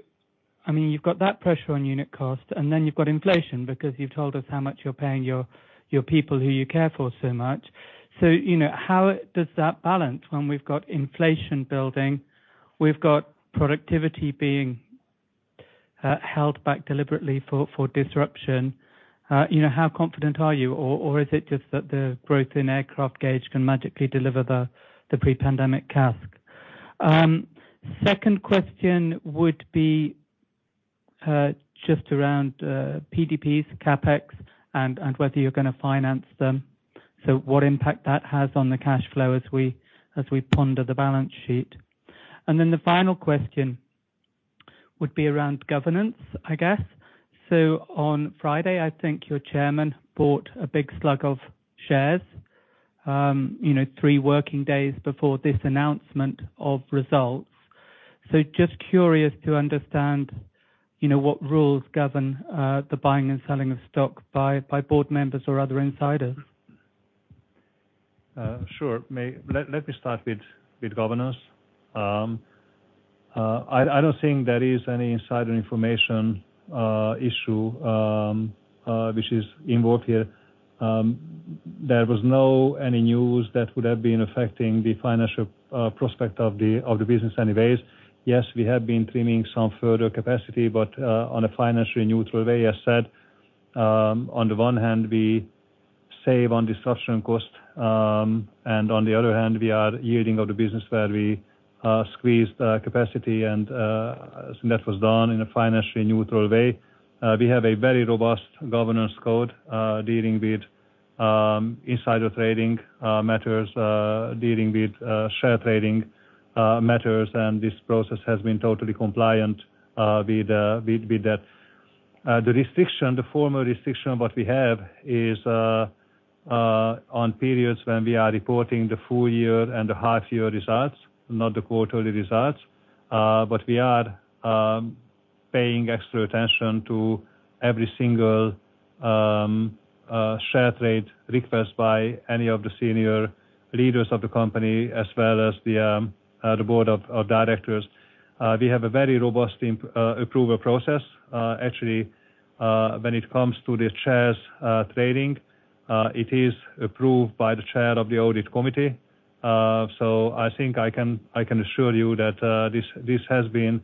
mean, you've got that pressure on unit cost, and then you've got inflation because you've told us how much you're paying your people who you care for so much. You know, how does that balance when we've got inflation building? We've got productivity being held back deliberately for disruption. You know, how confident are you? Or is it just that the growth in aircraft gauge can magically deliver the pre-pandemic CASK? Second question would be just around PDPs, CapEx, and whether you're gonna finance them. What impact that has on the cash flow as we ponder the balance sheet. Then the final question would be around governance, I guess. On Friday, I think your chairman bought a big slug of shares, you know, three working days before this announcement of results. Just curious to understand, you know, what rules govern the buying and selling of stock by board members or other insiders. Sure. Let me start with governance. I don't think there is any insider information issue which is involved here. There was no any news that would have been affecting the financial prospect of the business anyways. Yes, we have been trimming some further capacity, but on a financially neutral way, as said. On the one hand, we save on disruption cost, and on the other hand, we are yielding out of the business where we squeezed capacity and that was done in a financially neutral way. We have a very robust governance code dealing with insider trading matters, dealing with share trading matters, and this process has been totally compliant with that. The formal restriction what we have is on periods when we are reporting the full year and the half year results, not the quarterly results. We are paying extra attention to every single share trade request by any of the senior leaders of the company as well as the board of directors. We have a very robust approval process. Actually, when it comes to the shares trading, it is approved by the chair of the audit committee. I think I can assure you that this has been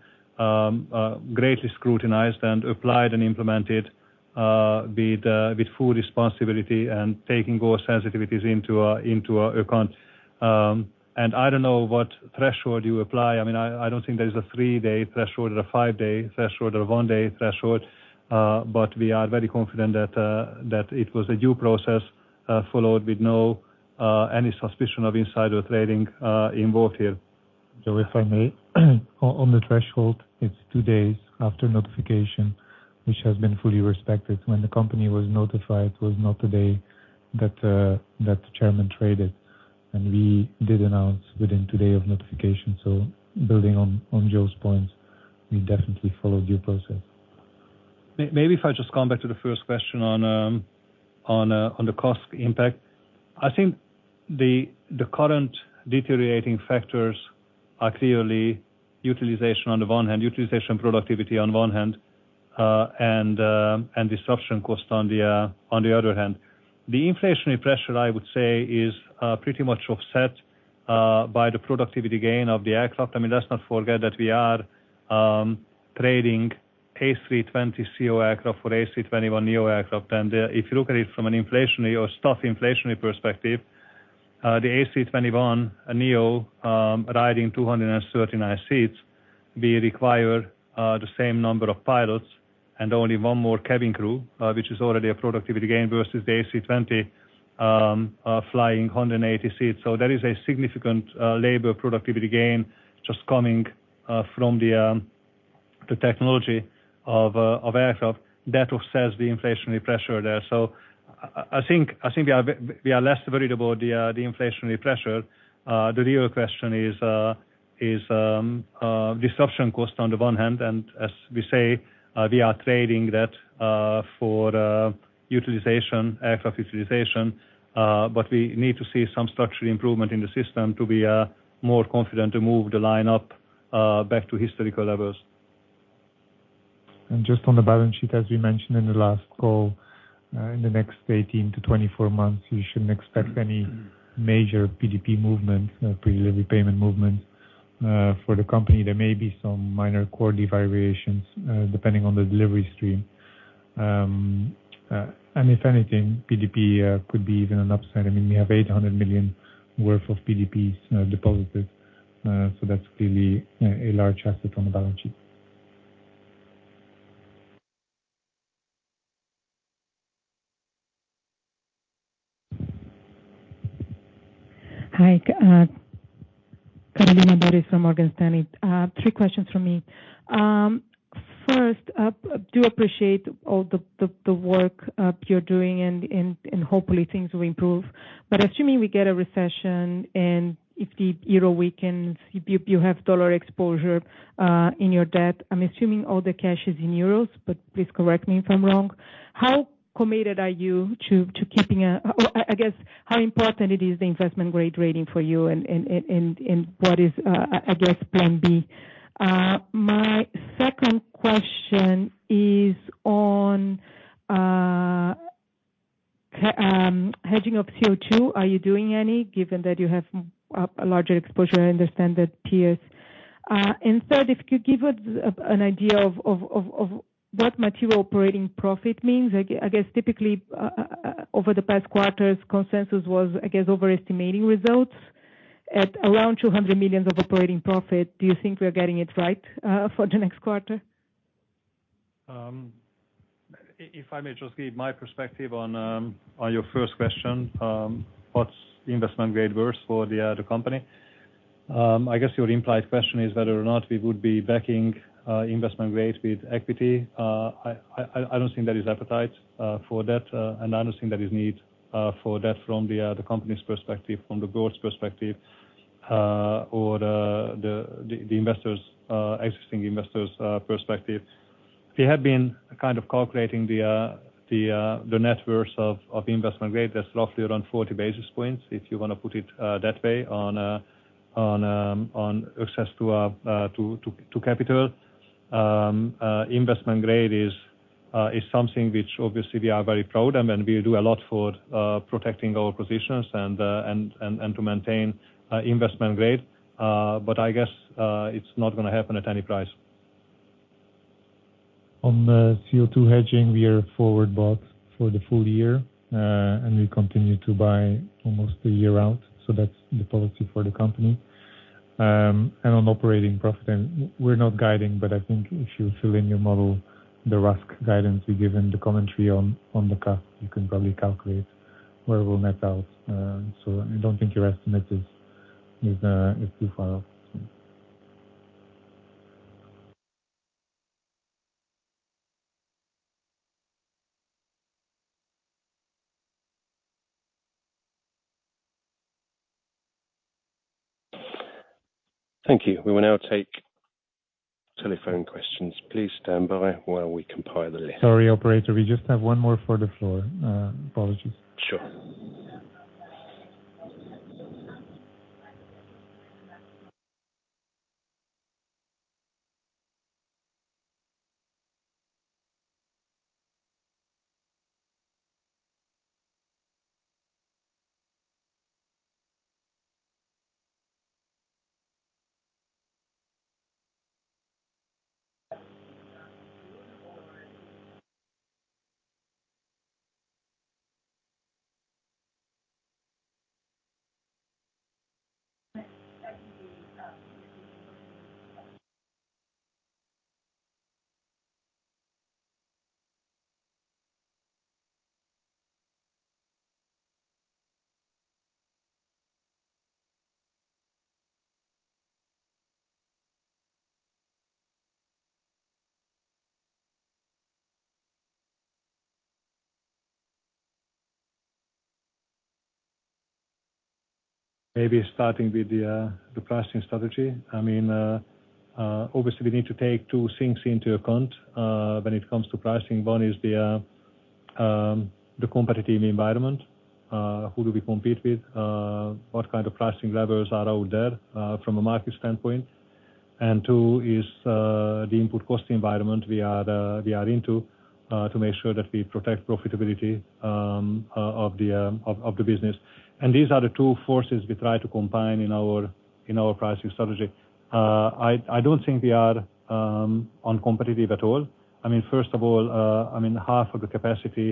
greatly scrutinized and applied and implemented with full responsibility and taking all sensitivities into account. I don't know what threshold you apply. I mean, I don't think there is a three-day threshold or a five-day threshold or a one-day threshold, but we are very confident that it was a due process followed with no any suspicion of insider trading involved here. Joe, if I may. On the threshold, it's two days after notification, which has been fully respected. When the company was notified was not the day that the chairman traded, and we did announce within two days of notification. Building on Joe's point, we definitely followed due process. Maybe if I just come back to the first question on the CASK impact. I think the current deteriorating factors are clearly utilization, productivity on one hand, and disruption cost on the other hand. The inflationary pressure, I would say, is pretty much offset by the productivity gain of the aircraft. I mean, let's not forget that we are trading A320ceo aircraft for A321neo aircraft. If you look at it from an inflationary or tough inflationary perspective, the A321neo riding 239 seats, we require the same number of pilots and only one more cabin crew, which is already a productivity gain versus the A320 flying 180 seats. There is a significant labor productivity gain just coming from the technology of aircraft that offsets the inflationary pressure there. I think we are less worried about the inflationary pressure. The real question is disruption cost on the one hand, and as we say, we are trading that for utilization, aircraft utilization, but we need to see some structural improvement in the system to be more confident to move the line up back to historical levels. Just on the balance sheet, as we mentioned in the last call, in the next 18-24 months, you shouldn't expect any major PDP movement, pre-delivery payment movement, for the company. There may be some minor quarterly variations, depending on the delivery stream. If anything, PDP could be even an upside. I mean, we have 800 million worth of PDPs deposited. That's clearly a large asset on the balance sheet. Hi, Carolina Dores from Morgan Stanley. Three questions from me. First, I do appreciate all the work you're doing and hopefully things will improve. Assuming we get a recession and if the euro weakens, if you have dollar exposure in your debt, I'm assuming all the cash is in euros, but please correct me if I'm wrong. How committed are you to keeping? I guess how important it is the investment-grade rating for you and what is, I guess, plan B? My second question is on hedging of CO2. Are you doing any given that you have a larger exposure? I understand that peers. Third, if you could give us an idea of what material operating profit means. I guess typically, over the past quarters, consensus was, I guess, overestimating results at around 200 million of operating profit. Do you think we are getting it right, for the next quarter? If I may just give my perspective on your first question, what's investment grade worth for the company. I guess your implied question is whether or not we would be backing investment grade with equity. I don't think there is appetite for that, and I don't think there is need for that from the company's perspective, from the board's perspective, or the existing investors' perspective. We have been kind of calculating the net worth of investment grade. That's roughly around 40 basis points, if you wanna put it that way, on access to capital. Investment grade is something which obviously we are very proud, and then we do a lot for protecting our positions and to maintain investment grade. I guess it's not gonna happen at any price. On the CO2 hedging, we are forward bought for the full year, and we continue to buy almost a year out, so that's the policy for the company. On operating profit. We're not guiding, but I think if you fill in your model the RASK guidance we give and the commentary on the CASK, you can probably calculate where we'll net out. I don't think your estimate is too far off. Thank you. We will now take telephone questions. Please stand by while we compile the list. Sorry, operator. We just have one more for the floor. Apologies. Sure. Maybe starting with the pricing strategy. I mean, obviously we need to take two things into account when it comes to pricing. One is the competitive environment. Who do we compete with? What kind of pricing levels are out there from a market standpoint? Two is the input cost environment we are into to make sure that we protect profitability of the business. These are the two forces we try to combine in our pricing strategy. I don't think we are uncompetitive at all. I mean, first of all, I mean, half of the capacity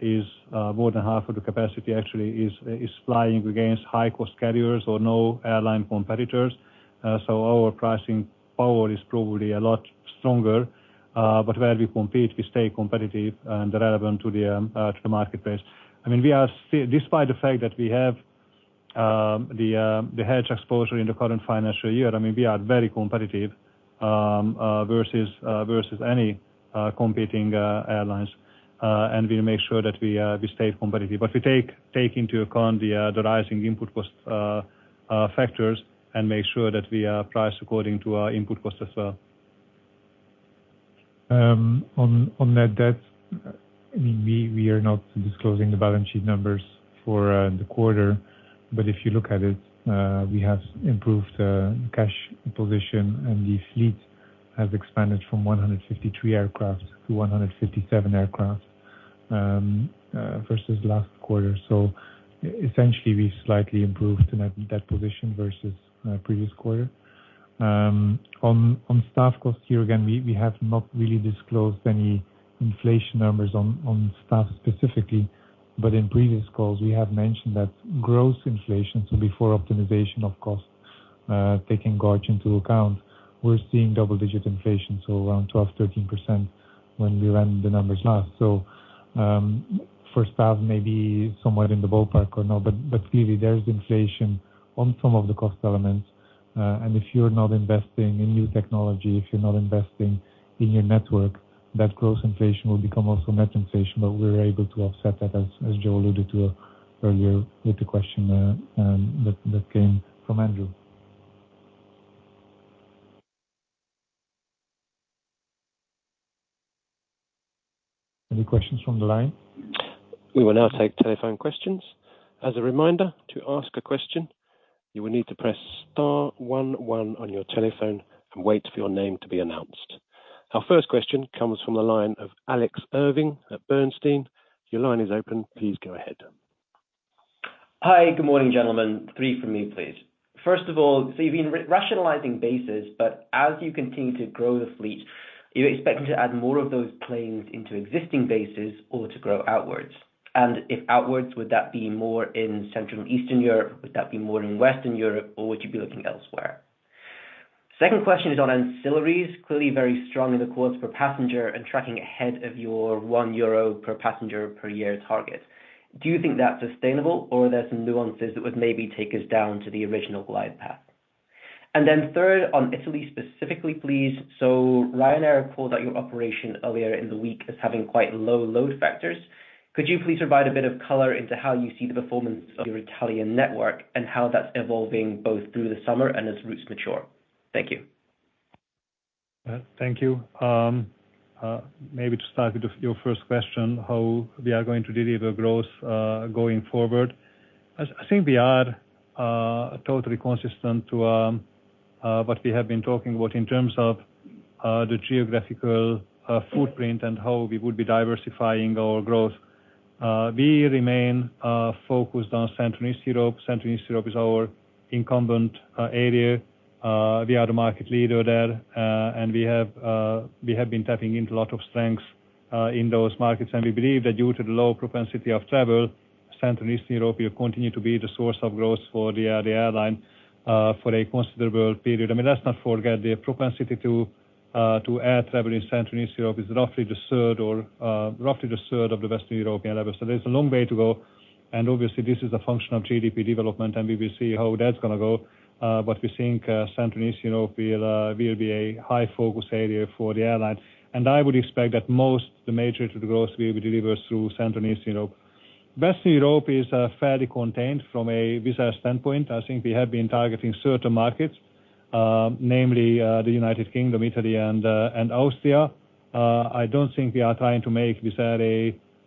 is more than half of the capacity actually is flying against high-cost carriers or no airline competitors. Our pricing power is probably a lot stronger. Where we compete, we stay competitive and relevant to the marketplace. Despite the fact that we have the hedge exposure in the current financial year, I mean, we are very competitive versus any competing airlines. We make sure that we stay competitive. We take into account the rising input cost factors and make sure that we are priced according to our input costs as well. On net debt. I mean, we are not disclosing the balance sheet numbers for the quarter, but if you look at it, we have improved cash position, and the fleet has expanded from 153 aircraft to 157 aircraft versus last quarter. Essentially, we slightly improved in that position versus previous quarter. On staff costs year-on-year, we have not really disclosed any inflation numbers on staff specifically, but in previous calls, we have mentioned that gross inflation, so before optimization of costs, taking wage into account, we're seeing double-digit inflation, so around 12%-13% when we ran the numbers last. For staff, maybe somewhere in the ballpark or not, but clearly there is inflation on some of the cost elements. If you're not investing in new technology, if you're not investing in your network, that gross inflation will become also net inflation. We were able to offset that, as Joe alluded to earlier with the question that came from Andrew. Any questions from the line? We will now take telephone questions. As a reminder, to ask a question, you will need to press star one one on your telephone and wait for your name to be announced. Our first question comes from the line of Alex Irving at Bernstein. Your line is open. Please go ahead. Hi. Good morning, gentlemen. Three from me please. First of all, you've been re-rationalizing bases, but as you continue to grow the fleet, you're expecting to add more of those planes into existing bases or to grow outwards. If outwards, would that be more in Central and Eastern Europe? Would that be more in Western Europe, or would you be looking elsewhere? Second question is on ancillaries. Clearly very strong in the growth per passenger and tracking ahead of your 1 euro per passenger per year target. Do you think that's sustainable, or are there some nuances that would maybe take us down to the original glide path? Then third, on Italy specifically, please. Ryanair called out your operation earlier in the week as having quite low load factors. Could you please provide a bit of color into how you see the performance of your Italian network and how that's evolving both through the summer and as routes mature? Thank you. Thank you. Maybe to start with your first question, how we are going to deliver growth going forward. I think we are totally consistent with what we have been talking about in terms of the geographical footprint and how we would be diversifying our growth. We remain focused on Central and Eastern Europe. Central and Eastern Europe is our incumbent area. We are the market leader there. We have been tapping into a lot of strengths in those markets. We believe that due to the low propensity of travel, Central and Eastern Europe will continue to be the source of growth for the airline for a considerable period. I mean, let's not forget the propensity to air travel in Central and Eastern Europe is roughly the third of the Western European level. There's a long way to go, and obviously, this is a function of GDP development, and we will see how that's gonna go. We think Central and Eastern Europe will be a high-focus area for the airlines. I would expect that the majority of the growth we will deliver is through Central and Eastern Europe. Western Europe is fairly contained from a Wizz Air standpoint. I think we have been targeting certain markets, namely, the United Kingdom, Italy, and Austria. I don't think we are trying to make Wizz Air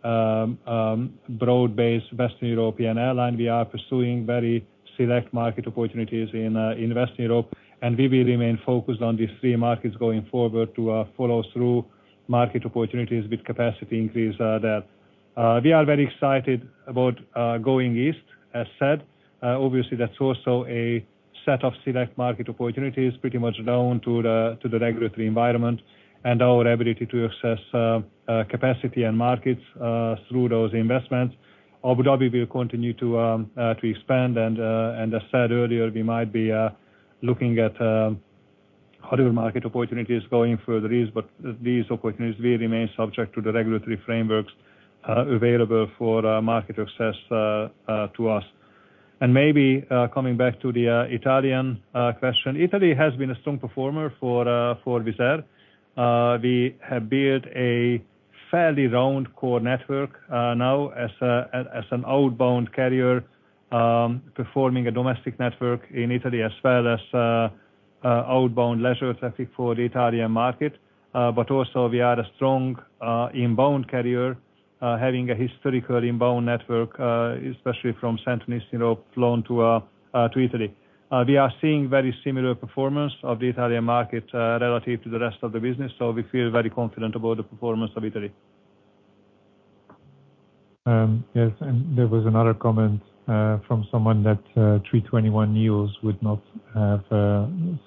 a broad-based Western European airline. We are pursuing very select market opportunities in Western Europe, and we will remain focused on these three markets going forward to follow through market opportunities with capacity increase there. We are very excited about going east, as said. Obviously, that's also a set of select market opportunities pretty much down to the regulatory environment and our ability to access capacity and markets through those investments. Abu Dhabi will continue to expand. As said earlier, we might be looking at other market opportunities going further east. These opportunities will remain subject to the regulatory frameworks available for market access to us. Maybe coming back to the Italian question. Italy has been a strong performer for Wizz Air. We have built a fairly round core network, now as an outbound carrier, performing a domestic network in Italy as well as outbound leisure traffic for the Italian market. Also we are a strong inbound carrier, having a historical inbound network, especially from Central and Eastern Europe flown to Italy. We are seeing very similar performance of the Italian market relative to the rest of the business, we feel very confident about the performance of Italy. Yes, there was another comment from someone that 321 yields would not have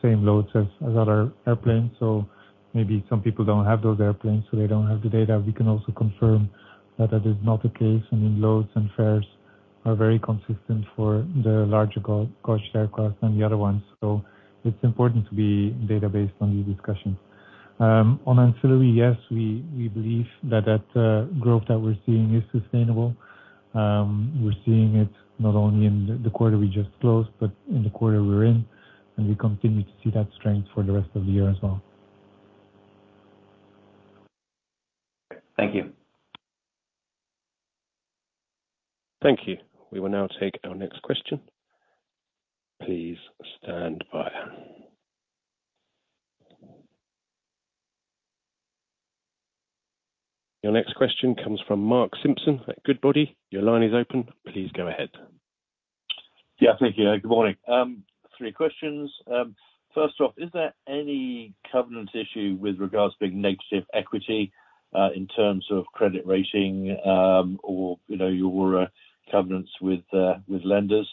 same loads as other airplanes. Maybe some people don't have those airplanes, so they don't have the data. We can also confirm that is not the case, and loads and fares are very consistent for the larger gauge aircraft than the other ones. It's important to be data-based on these discussions. On ancillary, yes, we believe that growth that we're seeing is sustainable. We're seeing it not only in the quarter we just closed, but in the quarter we're in, and we continue to see that strength for the rest of the year as well. Thank you. Thank you. We will now take our next question. Please stand by. Your next question comes from Mark Simpson at Goodbody. Your line is open. Please go ahead. Yeah, thank you. Good morning. Three questions. First off, is there any covenant issue with regards to big negative equity in terms of credit rating, or, you know, your covenants with lenders?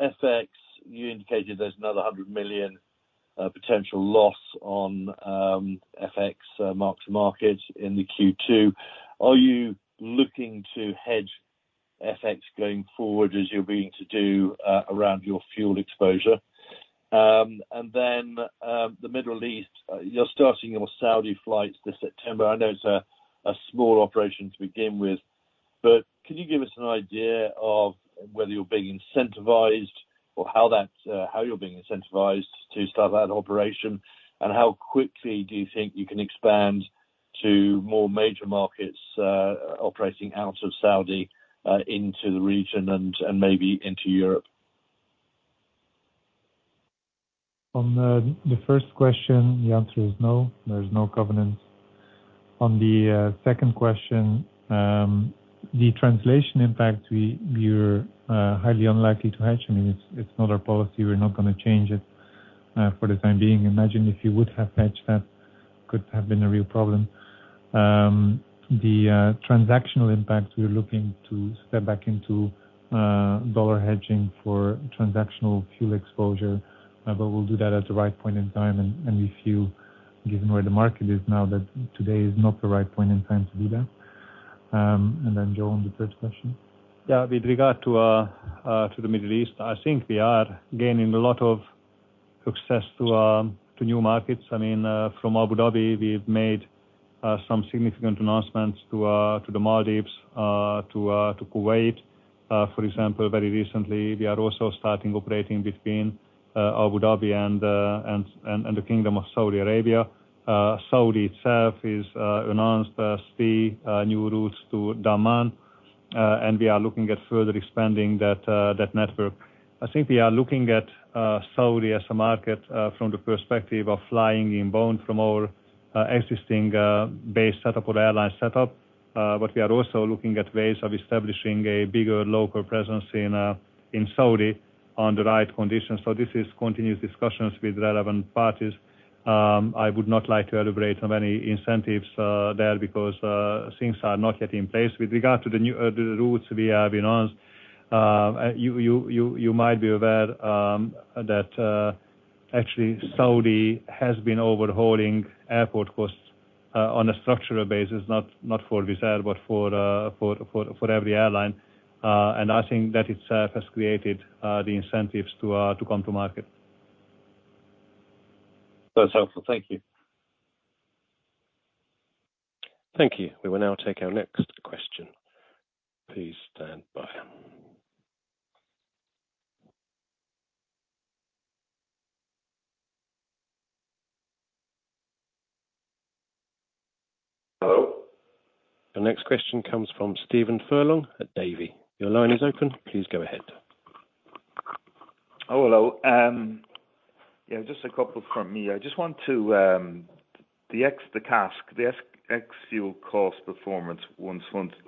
FX, you indicated there's another 100 million potential loss on FX mark-to-market in the Q2. Are you looking to hedge FX going forward as you're beginning to do around your fuel exposure? And then, the Middle East. You're starting your Saudi flights this September. I know it's a small operation to begin with, but could you give us an idea of whether you're being incentivized or how you're being incentivized to start that operation? And how quickly do you think you can expand to more major markets operating out of Saudi into the region and maybe into Europe? On the first question, the answer is no. There's no covenant. On the second question, the translation impact, we're highly unlikely to hedge. I mean, it's not our policy. We're not gonna change it for the time being. Imagine if you would have hedged. That could have been a real problem. The transactional impact, we're looking to step back into dollar hedging for transactional fuel exposure. We'll do that at the right point in time, and we feel given where the market is now, that today is not the right point in time to do that. Joe, on the third question. Yeah. With regard to the Middle East, I think we are gaining a lot of success to new markets. I mean, from Abu Dhabi, we've made some significant announcements to the Maldives, to Kuwait, for example, very recently. We are also starting operating between Abu Dhabi and the Kingdom of Saudi Arabia. Saudi itself is announced three new routes to Dammam, and we are looking at further expanding that network. I think we are looking at Saudi as a market from the perspective of flying inbound from our existing base setup or airline setup. We are also looking at ways of establishing a bigger local presence in Saudi on the right conditions. This is continuous discussions with relevant parties. I would not like to elaborate on any incentives there because things are not yet in place. With regard to the new routes we have announced, you might be aware that actually Saudi has been overhauling airport costs on a structural basis, not for Wizz Air, but for every airline. I think that itself has created the incentives to come to market. That's helpful. Thank you. Thank you. We will now take our next question. Please stand by. Hello. The next question comes from Stephen Furlong at Davy. Your line is open. Please go ahead. Hello. Just a couple from me. I just want to the ex-fuel CASK cost performance once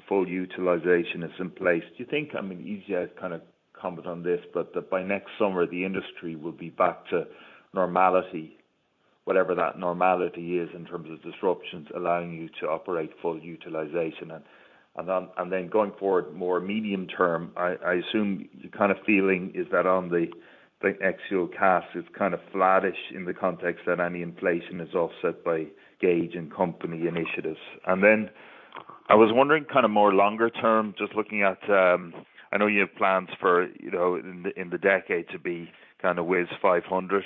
full utilization is in place. Do you think, I mean, easyJet's kind of comment on this, but that by next summer the industry will be back to normality, whatever that normality is, in terms of disruptions allowing you to operate full utilization? Then going forward more medium term, I assume your kind of feeling is that on the ex-fuel CASK is kind of flattish in the context that any inflation is offset by gauge and company initiatives. I was wondering kind of more longer term, just looking at, I know you have plans for, you know, in the decade to be kinda Wizz 500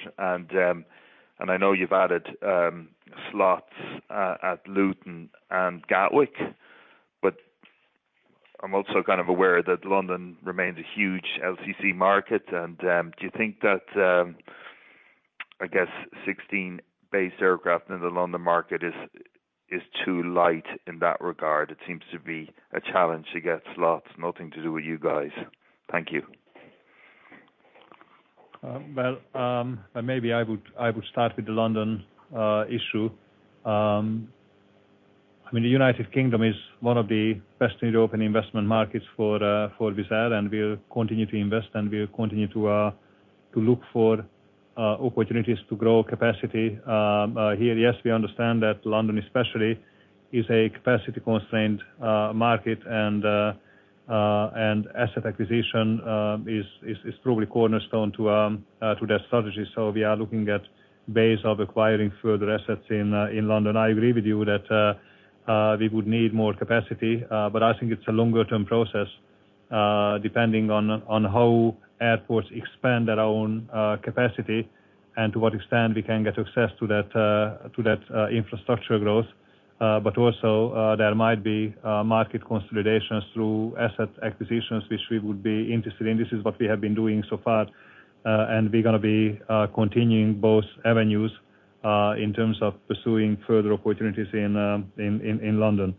and I know you've added slots at Luton and Gatwick, but I'm also kind of aware that London remains a huge LCC market. Do you think that, I guess 16 base aircraft in the London market is too light in that regard? It seems to be a challenge to get slots. Nothing to do with you guys. Thank you. Maybe I would start with the London issue. I mean, the United Kingdom is one of the best in European investment markets for Wizz Air, and we'll continue to invest, and we'll continue to look for opportunities to grow capacity here. Yes, we understand that London especially is a capacity-constrained market and asset acquisition is probably cornerstone to that strategy. We are looking at ways of acquiring further assets in London. I agree with you that we would need more capacity, but I think it's a longer-term process depending on how airports expand their own capacity and to what extent we can get access to that infrastructure growth. Also, there might be market consolidations through asset acquisitions, which we would be interested in. This is what we have been doing so far, and we're gonna be continuing both avenues. In terms of pursuing further opportunities in London.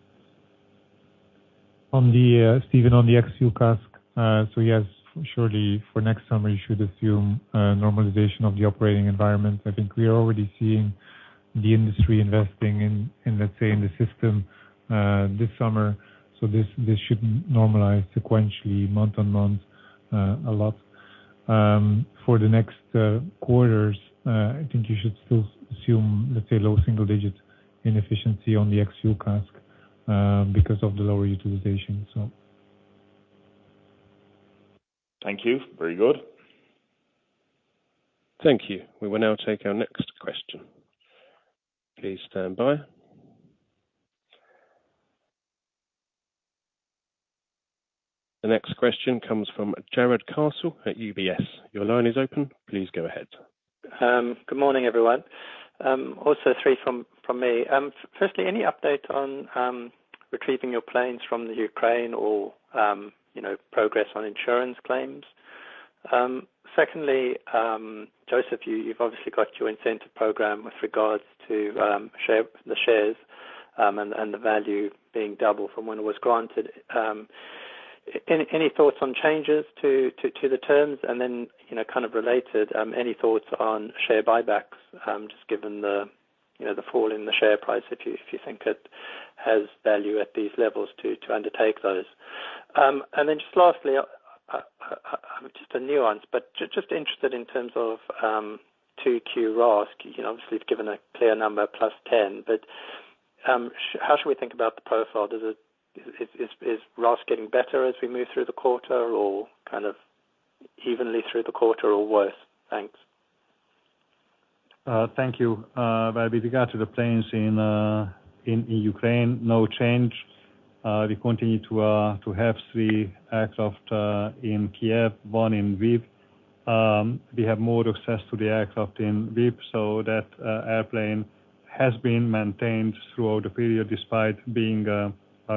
On the Stephen, on the ex-fuel CASK. Yes, surely for next summer you should assume normalization of the operating environment. I think we are already seeing the industry investing in, let's say, the system this summer. This should normalize sequentially month-on-month a lot. For the next quarters, I think you should still assume, let's say, low single-digit inefficiency on the ex-fuel CASK because of the lower utilization. Thank you. Very good. Thank you. We will now take our next question. Please stand by. The next question comes from Jarrod Castle at UBS. Your line is open. Please go ahead. Good morning, everyone. Also three from me. Firstly, any update on retrieving your planes from the Ukraine or, you know, progress on insurance claims? Secondly, József, you've obviously got your incentive program with regards to the shares, and the value being double from when it was granted. Any thoughts on changes to the terms? Then, you know, kind of related, any thoughts on share buybacks, just given the, you know, the fall in the share price if you think it has value at these levels to undertake those? Then just lastly, just a nuance, but just interested in terms of 2Q RASK. You know, obviously you've given a clear number +10%, but how should we think about the profile? Is RASK getting better as we move through the quarter or kind of evenly through the quarter or worse? Thanks. Thank you. With regard to the planes in Ukraine, no change. We continue to have three aircraft in Kyiv, one in Lviv. We have more access to the aircraft in Lviv, so that airplane has been maintained throughout the period despite being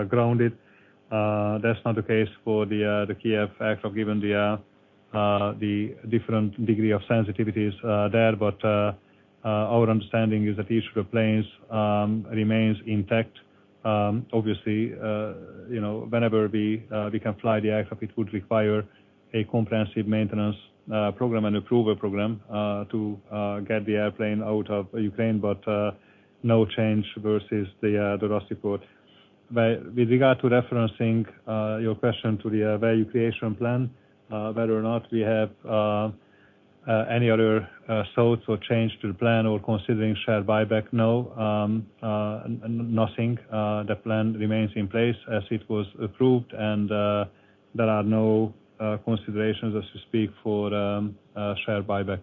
grounded. That's not the case for the Kyiv aircraft given the different degree of sensitivities there. Our understanding is that each of the planes remains intact. Obviously, you know, whenever we can fly the aircraft, it would require a comprehensive maintenance program and approval program to get the airplane out of Ukraine, but no change versus the RASK report. With regard to referencing your question to the value creation plan, whether or not we have any other thoughts or change to the plan or considering share buyback, no. Nothing. The plan remains in place as it was approved, and there are no considerations as we speak for share buyback.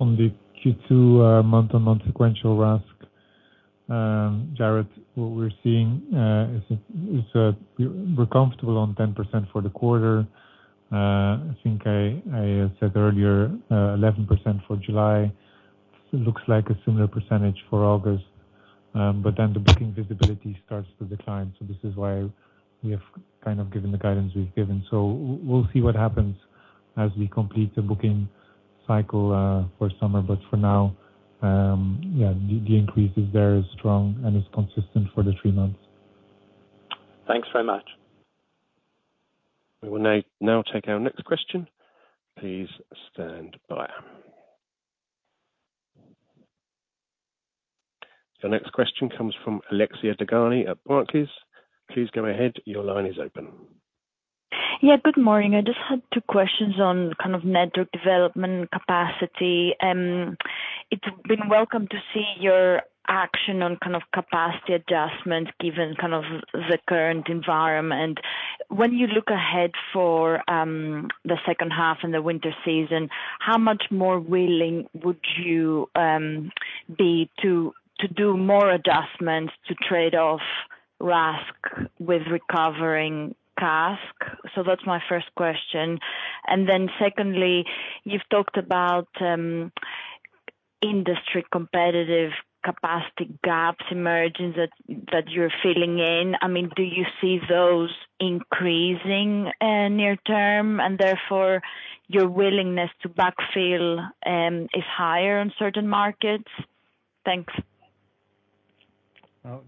On the Q2, month-on-month sequential RASK, Jarrod, what we're seeing is we're comfortable on 10% for the quarter. I think I said earlier, 11% for July. It looks like a similar percentage for August. Then the booking visibility starts to decline, so this is why we have kind of given the guidance we've given. We'll see what happens as we complete the booking cycle for summer. For now, the increase is very strong and is consistent for the three months. Thanks very much. We will now take our next question. Please stand by. The next question comes from Alexia Dogani at Barclays. Please go ahead. Your line is open. Yeah. Good morning. I just had two questions on kind of network development capacity. It's been welcome to see your action on kind of capacity adjustment given kind of the current environment. When you look ahead for the second half and the winter season, how much more willing would you be to do more adjustments to trade off RASK with recovering CASK? That's my first question. Secondly, you've talked about industry competitive capacity gaps emerging that you're filling in. I mean, do you see those increasing near term, and therefore your willingness to backfill is higher in certain markets? Thanks.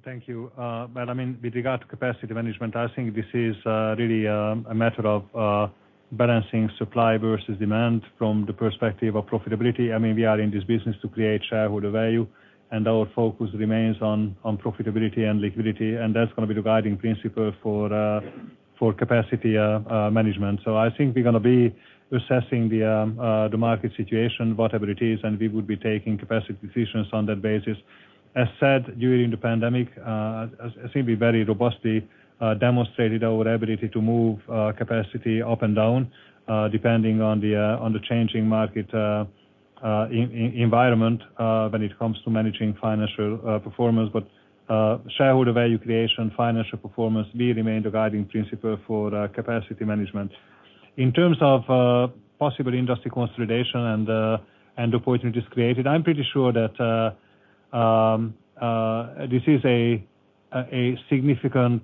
Thank you. Well, I mean, with regard to capacity management, I think this is really a matter of balancing supply versus demand from the perspective of profitability. I mean, we are in this business to create shareholder value, and our focus remains on profitability and liquidity, and that's gonna be the guiding principle for capacity management. I think we're gonna be assessing the market situation, whatever it is, and we would be taking capacity decisions on that basis. As said, during the pandemic, I think we very robustly demonstrated our ability to move capacity up and down depending on the changing market environment when it comes to managing financial performance. Shareholder value creation, financial performance will remain the guiding principle for capacity management. In terms of possible industry consolidation and the point we just created. I'm pretty sure that this is a significant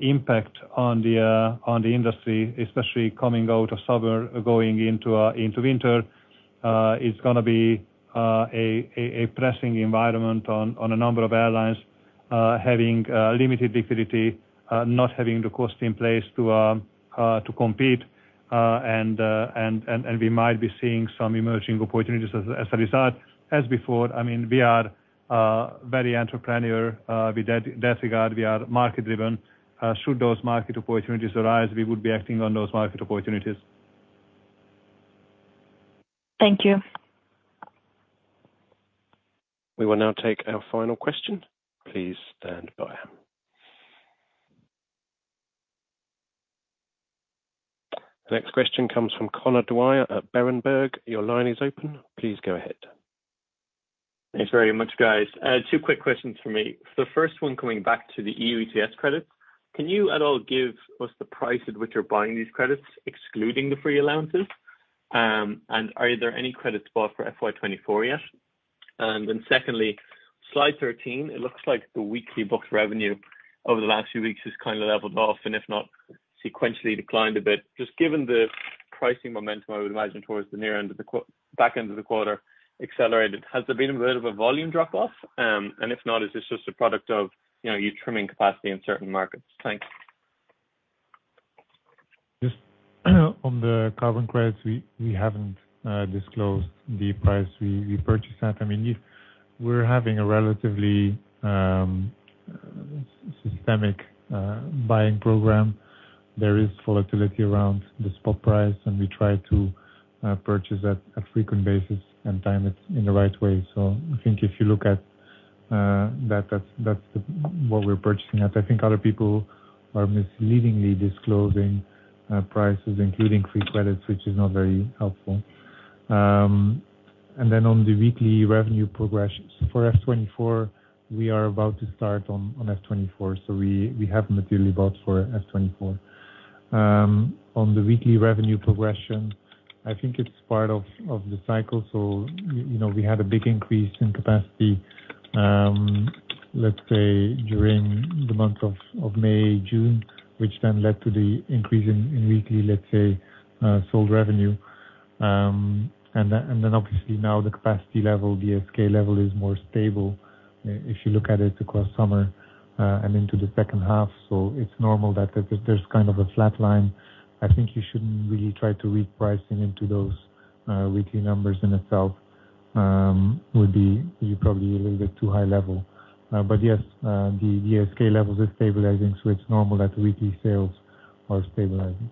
impact on the industry, especially coming out of summer, going into winter. It's gonna be a pressing environment on a number of airlines having limited liquidity, not having the cost in place to compete. We might be seeing some emerging opportunities as a result. As before, I mean, we are very entrepreneurial with that regard. We are market-driven. Should those market opportunities arise, we would be acting on those market opportunities. Thank you. We will now take our final question. Please stand by. The next question comes from Conor Dwyer at Berenberg. Your line is open. Please go ahead. Thanks very much, guys. Two quick questions from me. The first one coming back to the EU ETS credit. Can you at all give us the price at which you're buying these credits, excluding the free allowances? And are there any credits bought for FY 2024 yet? Secondly, slide 13, it looks like the weekly booked revenue over the last few weeks has kinda leveled off and if not sequentially declined a bit. Just given the pricing momentum, I would imagine towards the back end of the quarter accelerated. Has there been a bit of a volume drop off? And if not, is this just a product of, you know, you trimming capacity in certain markets? Thanks. Yes. On the carbon credits, we haven't disclosed the price we purchased at. I mean, if we're having a relatively systematic buying program, there is volatility around the spot price, and we try to purchase on a frequent basis and time it in the right way. I think if you look at that's what we're purchasing at. I think other people are misleadingly disclosing prices including free credits, which is not very helpful. On the weekly revenue progressions. For F 2024, we are about to start on F 2024, so we haven't materially bought for F 2024. On the weekly revenue progression, I think it's part of the cycle. You know, we had a big increase in capacity, let's say, during the month of May, June, which then led to the increase in weekly, let's say, sold revenue. Then obviously now the capacity level, ASK level is more stable if you look at it across summer, and into the second half. It's normal that there's kind of a flat line. I think you shouldn't really try to read pricing into those weekly numbers in itself. Would be probably a little bit too high level. Yes, the ASK levels are stabilizing, so it's normal that weekly sales are stabilizing.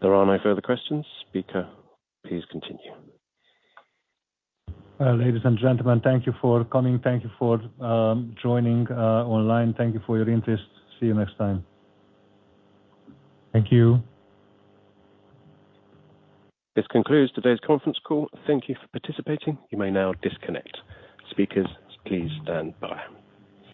There are no further questions. Speaker, please continue. Ladies and gentlemen, thank you for coming. Thank you for joining online. Thank you for your interest. See you next time. Thank you. This concludes today's conference call. Thank you for participating. You may now disconnect. Speakers, please stand by.